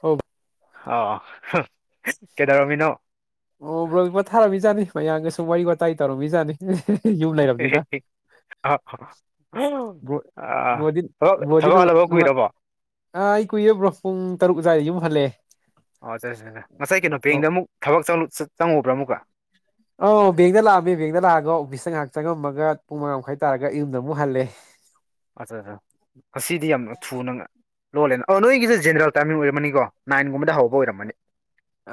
ꯍ ꯑ ꯀꯦꯗꯔꯃꯤꯅꯣ ꯃꯌꯥꯝꯒꯁꯨꯨꯝ ꯋꯥꯔꯤ ꯋꯥꯇꯥꯏ ꯇꯧꯔꯝꯃꯤꯖꯥꯅꯤ [unintelligible] ꯑ ꯕ꯭ꯔꯣ ꯕ꯭ꯔꯣꯗꯤ ꯊꯕ ꯕ꯭ꯔꯣꯗꯤ ꯊꯕꯛ ꯅꯨꯡ ꯍꯥꯜꯂꯕ ꯅꯨꯡꯉꯥꯏ ꯀꯨꯏꯔꯕꯣ ꯑꯥ ꯑꯩ ꯀꯨꯏꯌꯦꯦꯕ꯭ꯔꯣ ꯄꯨꯡ ꯇꯔꯨꯛ ꯆꯥꯏ ꯌꯨꯝ ꯍꯜꯂꯛꯑꯦ ꯑꯣ [unintelligible] ꯉꯁꯥꯏ ꯀꯩꯅꯣ ꯑꯣ ꯄꯦꯡꯗ ꯑꯃꯨꯛ ꯊꯕꯛ ꯆꯪꯉꯨꯕ꯭ꯔꯥ ꯑꯃꯨꯛꯀ ꯑꯣ ꯕꯦꯡꯗ ꯂꯥꯛꯑꯝꯃꯦ ꯕꯦꯡꯗ ꯂꯥꯛꯑꯒ ꯑꯣꯐꯤꯁꯇ ꯉꯥꯏꯍꯥꯛ ꯆꯪꯉꯝꯃꯒ ꯄꯨꯡ ꯃꯉꯥ ꯃꯈꯥꯏ ꯇꯥꯔꯒ ꯌꯨꯝꯗ ꯑꯃꯨꯛ ꯍꯜꯂꯦ ꯑꯠꯆꯥ ꯑꯠꯆꯥ ꯉꯗꯤ ꯌꯥꯝ ꯊꯨꯅ ꯂꯣꯜꯂꯦ ꯅꯣꯏꯒꯤꯁꯦ ꯖꯦꯔꯦꯜ ꯇꯔꯃꯤꯡ ꯑꯣꯏꯝꯅꯤꯀꯣ ꯅꯥꯏꯟꯒꯕꯗ ꯍꯧꯕ ꯑꯣꯏꯔꯝꯃꯅꯤ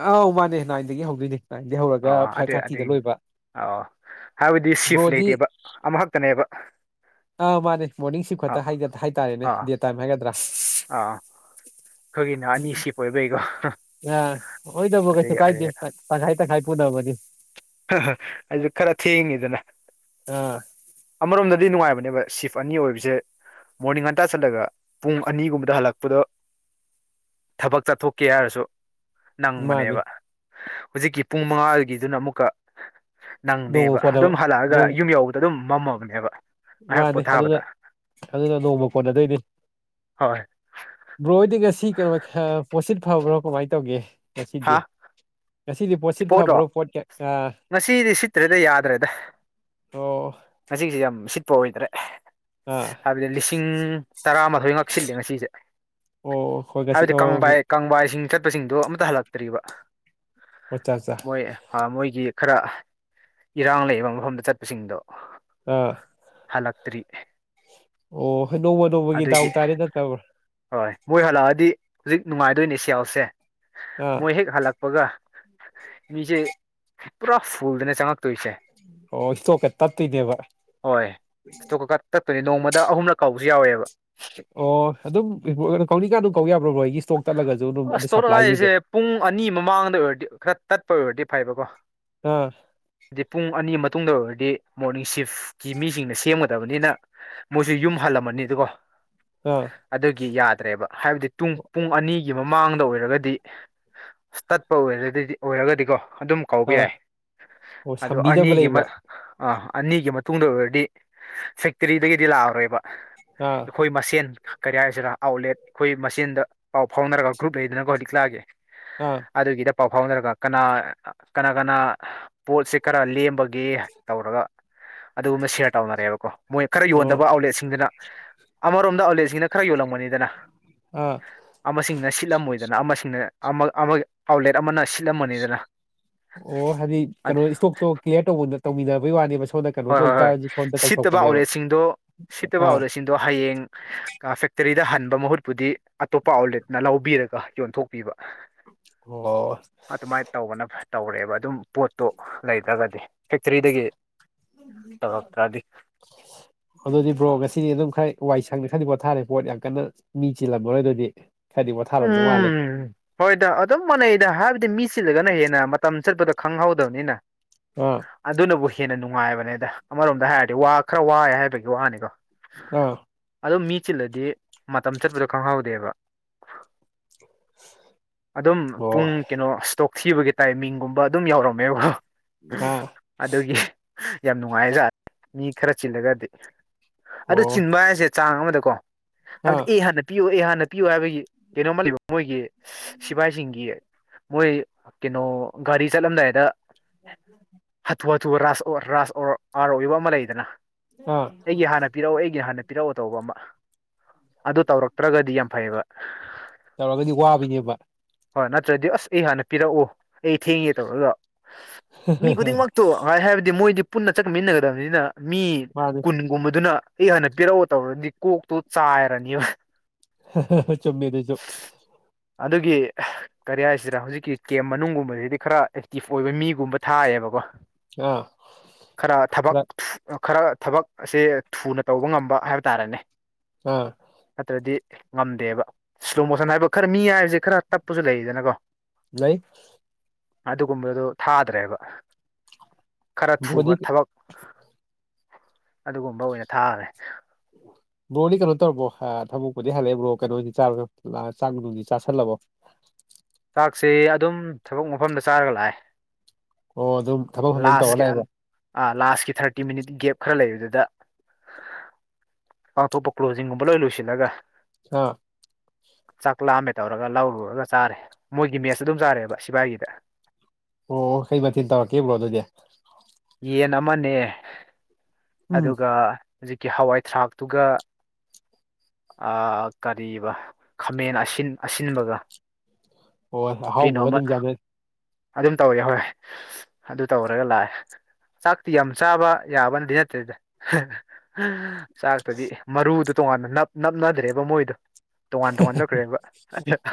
ꯑꯥꯎ ꯃꯥꯅꯦ ꯅꯥꯥꯟꯟꯗꯒꯤ ꯍꯧꯗꯣꯏꯅꯦ ꯅꯥꯏꯟꯗꯒꯤ ꯑ ꯍꯧꯔꯒ ꯐꯥꯏꯚ ꯑꯗ ꯑꯗ ꯊꯥꯔꯇꯤꯗ ꯂꯣꯏꯕ ꯑ ꯍꯥꯏꯕꯗꯤ ꯁꯤꯐ ꯕ꯭ꯔꯣꯗꯤ ꯂꯩꯇꯦꯕ ꯑꯃꯈꯛꯇꯅꯦꯕ ꯑꯥ ꯃꯥꯅꯦ ꯃꯣꯔꯅꯤꯡ ꯁꯤ ꯈꯨꯠꯇ ꯑꯥ ꯍꯥꯏꯇꯥꯔꯦꯅꯦ ꯑꯥ ꯗꯦ ꯇꯥꯏꯝ ꯍꯥꯏꯒꯗ꯭ꯔꯥ ꯑꯥ ꯑꯩꯈꯣꯏꯒꯤꯅ ꯎ ꯑꯅꯤ ꯁꯤꯞ ꯑꯣꯏꯕꯩꯀꯣ ꯑ ꯑꯣꯏꯣꯏꯗꯕꯣ ꯑꯗꯩ ꯀꯩꯁꯨ ꯀꯥꯏꯗꯦꯥꯏꯥꯏ ꯄꯨꯗꯕꯗꯤ ꯑꯩꯁꯨ ꯈꯔ ꯊꯦꯡꯉꯤꯗꯅ ꯑꯥ ꯑꯃꯔꯣꯝꯗꯗꯤ ꯅꯨꯡꯉꯥꯏꯕꯅꯤ ꯕ ꯁꯤꯐ ꯑꯅꯤ ꯑꯣꯏꯕꯁꯦ ꯃꯣꯔꯅꯤꯡ ꯉꯟꯇꯥ ꯆꯠꯂꯒ ꯄꯨꯡ ꯑꯅꯤꯒꯨꯝꯕꯗ ꯍꯜꯂꯛꯄꯗꯣ ꯊꯕꯛ ꯆꯠꯊꯣꯛꯀꯦ ꯍꯥꯏꯔꯁꯨ ꯃꯥꯅꯤ ꯅꯪꯕꯅꯦꯕ ꯍꯧꯖꯤꯛꯀꯤ ꯄꯨꯡ ꯃꯉꯥꯒꯤꯗꯨꯅ ꯑꯃꯨꯛꯀ ꯅꯣꯡꯃ ꯅꯪꯗꯦꯕ ꯀꯣꯟꯅꯕ ꯑꯗꯨꯝ ꯍꯜꯂꯛꯑꯒ ꯅꯣꯡ ꯌꯨꯝ ꯌꯧꯕꯗ ꯑꯗꯨꯝ ꯃꯝꯃꯕꯅꯦꯕ ꯉꯥꯏꯍꯥꯛ ꯃꯥꯅꯦ ꯑꯗꯨꯅ ꯄꯣꯊꯥꯕꯗ ꯑꯗꯨꯅ ꯅꯣꯡꯃ ꯀꯣꯟꯅꯗꯣꯏꯅꯤ ꯍꯣꯏ ꯕ꯭ꯔꯣ ꯑꯣꯏꯗꯤ ꯉꯁꯤ ꯀꯩꯅꯣ ꯄꯣꯠꯁꯤꯠ ꯐꯕ꯭ꯔꯣ ꯀꯃꯥꯏꯅ ꯇꯧꯒꯦ ꯆꯁꯤꯗꯤꯦ ꯆꯁꯤꯗꯤ ꯄꯣꯠꯂꯣ ꯉꯁꯤꯗꯤ ꯁꯤꯠꯇ꯭ꯔꯦꯗ ꯌꯥꯗ꯭ꯔꯦꯗ ꯑꯣ ꯉꯁꯤꯁ ꯌꯥꯝ ꯁꯤꯠꯄ ꯑꯣꯏꯗ꯭ꯔꯦ ꯑꯥ ꯍꯥꯏꯕꯗꯤ ꯂꯤꯁꯤꯡ ꯇꯔꯥꯃꯥꯊꯣꯏ ꯉꯛꯁꯤꯜꯂꯦ ꯉꯁꯤꯁꯦ ꯑꯣ ꯍꯣꯏ ꯉꯁꯤ ꯑꯣ ꯍꯥꯏꯕꯗꯤꯕꯥꯏ ꯀꯪꯕꯥꯏꯁꯤꯡ ꯆꯠꯄꯁꯤꯡꯗꯣ ꯑꯃꯝꯇ ꯍꯜꯂꯛꯇ꯭ꯔꯤꯕ ꯑꯣꯆꯥ ꯑꯠꯆꯥ ꯃꯣꯏ ꯃꯣꯏꯒꯤ ꯈꯔ ꯏꯔꯥꯡ ꯂꯩꯌꯦꯕ ꯃꯐꯝꯗ ꯆꯠꯄꯁꯤꯡꯗꯣ ꯑꯥ ꯇ꯭ꯔꯤ ꯑꯣ ꯅꯣꯡꯃ ꯅꯣꯡꯃꯒꯤ ꯗꯥꯎ ꯇꯥꯔꯦ ꯅꯠꯇꯕ꯭ꯔꯥ ꯍꯣꯏ ꯃꯣꯏ ꯍꯜꯂꯛꯑꯗꯤ ꯍꯧꯖꯤꯛ ꯅꯨꯡꯉꯥꯏꯗꯣꯏꯅꯦ ꯁꯤꯌꯥꯦꯜꯁꯦ ꯑꯥ ꯃꯣꯏ ꯍꯦꯛ ꯍꯜꯂꯛꯄꯒ ꯃꯤꯆꯦ ꯄꯨꯔꯥ ꯐꯨꯜꯗꯅ ꯆꯪꯉ ꯑꯣ ꯏꯁꯇꯣꯛꯀ ꯇꯠꯇꯣꯏꯅꯦꯕ ꯍ ꯗ ꯑꯍꯨꯝꯂꯛ ꯀꯥꯎꯁꯨ ꯌꯥꯎꯋꯦꯕ ꯑꯣ ꯑꯗꯨꯝ ꯀꯧꯅꯤꯀꯥ ꯑꯗꯨꯝ ꯀꯧ ꯌꯥꯕ꯭ꯔꯣꯕ꯭ꯔꯣ ꯑꯩꯒꯤ ꯏꯁꯇꯣꯛ ꯇꯠꯂꯒꯁꯨ ꯑꯗꯨꯝ ꯑꯗꯨ ꯑꯁꯇꯣꯠ ꯑ ꯍꯥꯏ ꯁꯄ꯭ꯂꯥꯏꯒꯤꯗꯤ ꯍꯥꯏꯁꯦ ꯄꯨꯡ ꯑꯅꯤ ꯃꯃꯥꯡꯗ ꯑꯣꯏꯔꯗꯤ ꯠ ꯇꯠꯄ ꯑꯣꯏꯔꯗꯤ ꯐꯩꯕꯀꯣ ꯑꯥ ꯍꯥꯏꯗꯤ ꯄꯨꯡ ꯑꯅꯤ ꯃꯇꯨꯡꯗ ꯑꯣꯏꯔꯗꯤ ꯃꯣꯔꯅꯤꯡ ꯁꯤꯐ ꯀ ꯃꯤꯁꯤꯡꯅ ꯁꯦꯝꯒꯗꯕꯅꯤꯅ ꯃꯣꯏꯁꯨ ꯌꯨꯝ ꯍꯜꯂꯝꯃꯅꯤ ꯑꯗꯨꯀꯣ ꯑꯥ ꯑꯗꯨꯒꯤ ꯌꯥꯗ꯭ꯔꯦꯕ ꯍꯥꯏꯕꯗꯤ ꯇꯨꯡ ꯄꯨꯡ ꯑꯅꯤꯒꯤ ꯃꯃꯥꯡꯗ ꯑꯣꯏꯔꯒꯗꯤ ꯑꯁ ꯇꯠꯄ ꯑꯣꯏꯔꯒꯗꯤ ꯑꯣꯏꯔꯒꯗꯤꯀꯣ ꯑꯗꯨꯝ ꯀꯧꯕ ꯑꯥ ꯌꯥꯏ ꯑꯣ ꯁꯝꯕꯤꯅꯕ ꯑꯅꯤꯒꯤ ꯂꯩꯕ ꯑꯥ ꯑꯅꯤꯒꯤ ꯃꯇꯨꯡꯗ ꯑꯣꯏꯔꯗꯤ ꯐꯦꯛꯇꯔꯤꯗꯒꯤꯗꯤ ꯂꯥꯛꯑꯔꯣꯏꯕ ꯑꯥ ꯑꯩꯈꯣꯏ ꯃꯁꯦꯟ ꯀꯔꯤ ꯍꯥꯏꯁꯤꯔ ꯑꯥꯎꯠꯂꯦꯠ ꯑꯩꯈꯣꯏ ꯃꯁꯦꯟꯗ ꯄꯥꯎ ꯐꯥꯎꯅꯔꯒ ꯒ꯭ꯔꯨꯞ ꯌꯩꯗꯨꯅꯒ ꯍꯧ ꯂꯤꯛ ꯂꯥꯛꯑꯒꯦ ꯑꯥ ꯑꯗꯨꯒꯤꯗ ꯄꯥꯎ ꯐꯥꯎꯅꯔꯒ ꯀꯅꯥ ꯀꯅꯥ ꯀꯅꯥ ꯄꯣꯠꯁꯤꯦ ꯀꯔ ꯂꯦꯝꯕꯒꯦ ꯇꯧꯔꯒ ꯑꯗꯨꯒꯨꯝꯕ ꯁꯤꯌꯥꯔ ꯇꯧꯅꯔꯦꯕꯀꯣ ꯃꯣꯏ ꯈꯔ ꯑꯣ ꯌꯣꯟꯗꯕ ꯑꯥꯎꯠꯂꯦꯠꯁꯤꯡꯗꯨꯅ ꯑꯃꯔꯣꯝꯗ ꯑꯥꯎꯠꯂꯦꯠꯁꯤꯡꯁꯤꯅ ꯈꯔ ꯌꯣꯜꯂꯝꯕꯅꯤꯗꯅ ꯑꯥ ꯑꯃꯁꯤꯡꯅ ꯁꯤꯠꯂꯝꯃꯣꯏꯗꯅ ꯑꯃꯁꯤꯡꯅ ꯑꯃ ꯑꯥꯎꯠꯂꯦꯠ ꯑꯃꯅ ꯁꯤꯠꯂꯝꯃꯅꯤꯗꯅ ꯑꯣ ꯍꯥꯏꯗꯤ ꯀꯩꯅꯣ ꯏꯁꯇꯣꯛꯇꯣ ꯀ꯭ꯂꯤꯌꯥꯔ ꯇꯧꯃꯤꯟꯅꯕꯒꯤ ꯋꯥꯅꯦ ꯍꯣꯏ ꯍꯣꯏ ꯍꯣꯏ ꯁꯤꯠꯇꯕ ꯑꯥꯎꯠꯂꯦꯠꯁꯤꯡꯗꯣ ꯁꯤꯠꯇꯕ ꯑꯥ ꯑꯥꯎꯠꯂꯦꯠꯁꯤꯡꯗꯣ ꯍꯌꯦꯡ ꯁꯦꯛꯇꯔꯤꯗ ꯍꯟꯕ ꯃꯍꯨꯠꯄꯨꯗꯤ ꯑꯇꯣꯞꯄ ꯑꯥꯎꯠꯂꯦꯠꯅ ꯂꯧꯕꯤꯔꯒ ꯌꯣꯟꯊꯣꯛꯄꯤꯕ ꯑꯣ ꯑꯗꯨꯃꯥꯏꯅ ꯇꯧꯕꯅ ꯇꯧꯔꯦꯕ ꯑꯗꯨꯝ ꯄꯣꯠꯇꯨ ꯂꯩꯗ꯭ꯔꯒꯗꯤ ꯐꯦꯛꯇꯔꯤꯗꯒꯤ ꯇꯧꯔꯛꯇ꯭ꯔꯗꯤ ꯑꯗꯨꯗꯤ ꯕ꯭ꯔꯣ ꯉꯁꯤꯗꯤ ꯑꯗꯨꯝ ꯈꯔ ꯋꯥꯏ ꯁꯪꯅꯤ ꯈꯔꯗꯤ ꯄꯣꯠꯊꯥꯔꯦ ꯄꯣꯠ ꯌꯥꯝ ꯀꯟꯅ ꯃꯤ ꯆꯤꯜꯂꯝꯃꯔꯣꯏ ꯑꯗꯨꯗꯤ ꯈꯔꯗꯤ ꯄꯣꯊꯥꯔꯝꯗꯧ ꯃꯥꯜꯂꯦ ꯎꯝ ꯍꯣꯏꯗ ꯑꯗꯨꯝ ꯃꯅꯩꯗ ꯍꯥꯏꯕꯗꯤ ꯃꯤ ꯁꯤꯠꯂꯒꯅ ꯍꯦꯟꯅ ꯃꯇꯝ ꯆꯠꯄꯗꯣ ꯈꯪꯍꯧꯗꯕꯅꯤꯅ ꯑꯥ ꯑꯗꯨꯅꯕꯨ ꯍꯦꯟꯅ ꯅꯨꯡꯉꯥꯏꯕꯅꯦ ꯗ ꯑꯃꯔꯣꯝꯗ ꯍꯥꯏꯔꯗꯤ ꯋꯥ ꯈꯔ ꯋꯥꯏꯦ ꯍꯥꯏꯕꯒꯤ ꯋꯥꯅꯤꯀꯣ ꯑꯥ ꯑꯗꯨ ꯃꯤ ꯆꯤꯜꯂꯗꯤ ꯃꯇꯝ ꯆꯠꯄꯗꯣ ꯈꯪꯍꯧꯗꯦꯕ ꯑꯗꯨꯝ ꯑꯣ ꯄꯨꯡ ꯀꯩꯅꯣ ꯏꯁꯇꯣꯛ ꯊꯤꯕꯒꯤ ꯇꯥꯏꯃꯤꯡꯒꯨꯝꯕ ꯑꯗꯨꯝ ꯌꯥꯎꯔꯝꯃꯦꯕꯣ ꯑꯥ ꯑꯗꯨꯒꯤ ꯌꯥꯝ ꯅꯨꯡꯉꯥꯏꯖꯥꯠ ꯃꯤ ꯈꯔ ꯆꯤꯜꯂꯒꯗꯤ ꯑꯗꯨ ꯑꯣ ꯆꯤꯟꯕ ꯍꯥꯏꯁꯦ ꯆꯥꯡ ꯑꯃꯗꯀꯣ ꯍꯥꯏꯕꯗꯤ ꯑꯥ ꯑꯦ ꯍꯥꯟꯅ ꯄꯤꯌꯨ ꯑꯦ ꯍꯥꯟꯅ ꯄꯤꯌꯨ ꯍꯥꯏꯕꯒꯤ ꯀꯩꯅꯣꯝꯃꯜꯂꯤꯕ ꯃꯣꯏꯒꯤ ꯁꯤꯐꯥꯏꯁꯤꯡꯒꯤ ꯃꯣꯏ ꯀꯩꯅꯣ ꯒꯥꯔꯤ ꯆꯠꯂꯝꯗꯥꯏꯗ [unintelligible] ꯨ ꯔꯥꯁ ꯔꯥꯁ ꯑꯥꯔ ꯑꯣꯏꯕ ꯑꯃ ꯂꯩꯗꯅ ꯑꯥ ꯑꯩꯒꯤ ꯍꯥꯟꯅ ꯄꯤꯔꯛꯎ ꯑꯩꯒꯤ ꯍꯥꯟꯅ ꯄꯤꯔꯛꯎ ꯇꯧꯕ ꯑꯃ ꯑꯗꯨ ꯇꯧꯔꯛꯇ꯭ꯔꯒꯗꯤ ꯌꯥꯝ ꯐꯩꯌꯦꯕ ꯇꯧꯔꯒꯗꯤ ꯋꯥꯕꯤꯅꯦꯕ ꯍꯣꯏ ꯅꯠꯇ꯭ꯔꯗꯤ ꯑꯁ ꯑꯩ ꯍꯥꯟꯅ ꯄꯤꯔꯛꯑꯣ ꯑꯩ ꯊꯦꯡꯉꯦ ꯇꯧꯕ ꯑꯗꯣ ꯃꯤ ꯈꯨꯗꯤꯡꯃꯛꯇꯣ ꯉꯥꯏ ꯍꯥꯏꯕꯗꯤ ꯃꯣꯏꯗꯤ ꯄꯨꯟꯅ ꯆꯠꯃꯤꯟꯅꯒꯗꯕꯅꯤꯅ ꯃꯤ ꯃꯥꯅꯦ ꯀꯨꯟꯒꯨꯝꯕꯗꯨꯅ ꯑꯩ ꯍꯥꯟꯅ ꯄꯤꯔꯛꯎ ꯇꯧꯔꯗꯤ ꯀꯣꯛꯇꯨ ꯆꯥꯏꯔꯅꯤꯕ ꯆꯨꯝꯃꯤꯗꯁꯨ ꯑꯗꯨꯒꯤ ꯀꯔꯤ ꯍꯥꯏꯁꯤꯔ ꯍꯧꯖꯤꯛꯀꯤ ꯀꯦꯝ ꯃꯅꯨꯡꯒꯨꯝꯕꯁꯤꯗꯤ ꯈꯔ ꯑꯦꯛꯇꯤꯞ ꯑꯣꯏꯕ ꯃꯤꯒꯨꯝꯕ ꯊꯥꯏꯌꯦꯕꯀꯣ ꯑꯥ ꯈꯔ ꯊꯕꯛ ꯈꯔ ꯊꯕꯛ ꯑꯁꯦ ꯊꯨꯅ ꯇꯧꯕ ꯉꯝꯕ ꯍꯥꯏꯕ ꯇꯥꯔꯦꯅꯦ ꯑꯥ ꯅꯠꯇ꯭ꯔꯗꯤ ꯉꯝꯗꯦꯕ ꯏꯁ꯭ꯂꯣ ꯃꯣꯁꯟ ꯍꯥꯏꯕ ꯈꯔ ꯃꯤ ꯍꯥꯏꯕꯁꯦ ꯈꯔ ꯇꯞꯄꯁꯨ ꯂꯩꯔꯤꯗꯅꯀꯣ ꯅ ꯑꯗꯨꯒꯨꯝꯕꯗꯨꯣ ꯊꯥꯗ꯭ꯔꯦꯕ ꯈꯔ ꯊꯨꯕ ꯕ꯭ꯔꯣꯗꯤ ꯊꯕꯛ ꯑꯗꯨꯒꯨꯝꯕ ꯑꯣꯏꯅ ꯊꯥꯈꯔꯦ ꯕ꯭ꯔꯣꯗꯤ ꯀꯩꯅꯣ ꯇꯧꯔꯕꯣ ꯊꯕꯛꯄꯨꯗꯤ ꯍꯜꯂꯛꯑꯦ ꯕ꯭ꯔꯣ ꯀꯩꯅꯣꯅꯤ ꯆꯥꯔ ꯆꯥꯛ ꯅꯨꯡꯗꯤ ꯆꯥꯥꯁꯜꯂꯕꯣ [inaudible] ꯄꯥꯛꯁꯤ ꯑꯗꯨꯝ ꯊꯕꯛ ꯃꯐꯝꯗ ꯆꯥꯔꯒ ꯂꯥꯛꯑꯦ ꯑꯣ ꯑꯗꯨꯝ ꯊꯕꯛ ꯃꯐꯝꯗ ꯑꯗꯨꯝ ꯇꯧꯔ ꯂꯥꯁ ꯂꯥꯛꯑꯦꯕ ꯑ ꯂꯥꯁꯀꯤ ꯊꯔꯇꯤ ꯃꯤꯅꯤꯠ ꯈꯔ ꯂꯩꯕꯗꯨꯗ ꯄꯥꯡꯊꯣꯛꯄ ꯀ꯭ꯂꯣꯖꯤꯡꯒꯨꯝꯕ ꯂꯣꯏ ꯂꯣꯏꯁꯤꯜꯂꯒ ꯑꯥ ꯆꯥꯛ ꯂꯥꯑꯝꯃꯦ ꯇꯧꯔꯒ ꯂꯧꯔꯨꯔꯒ ꯆꯥꯔꯦ ꯃꯣꯏꯒꯤ ꯃꯦꯠꯁ ꯑꯗꯨꯝ ꯆꯥꯔꯦꯕ ꯁꯤꯕꯥꯥꯏꯒꯤꯗ ꯑꯣ ꯀꯩ ꯃꯊꯤꯟ ꯇꯧꯔꯛꯀꯦꯕ꯭ꯔꯣ ꯑꯗꯨꯗꯤ ꯌꯦꯟ ꯑꯃꯅꯦ ꯎꯝ ꯑꯗꯨꯒ ꯍꯧꯖꯤꯛꯀꯤ ꯍꯋꯥꯏ ꯊꯔꯥꯛꯇꯨꯒ ꯀꯔꯤꯕ ꯈꯥꯃꯦꯟ ꯑꯁꯤ ꯑꯁꯤꯟꯕꯒ ꯍ ꯑꯍꯥꯎꯕꯒ ꯀꯩꯅꯣꯝꯃ ꯑꯗꯨꯝ ꯌꯥꯅ ꯑꯗꯨꯝ ꯇꯧꯋꯦ ꯍꯣꯏꯣꯏ ꯑꯗꯨ ꯇꯧꯔꯒ ꯂꯥꯛꯑꯦ ꯆꯥꯛꯇꯤ ꯌꯥꯝ ꯆꯥꯕ ꯌꯥꯕꯅꯗꯤ ꯅꯠꯇ꯭ꯔꯦꯗ ꯆꯥꯛꯇꯗꯤ ꯃꯔꯨꯗꯣ ꯇꯣꯉꯥꯟꯅꯞ ꯅꯞꯅꯗ꯭ꯔꯦꯕ ꯃꯣꯏꯗꯣ ꯇꯣꯉꯥꯟ ꯇꯣꯉꯥꯟ ꯆꯠꯈ꯭ꯔꯦꯕ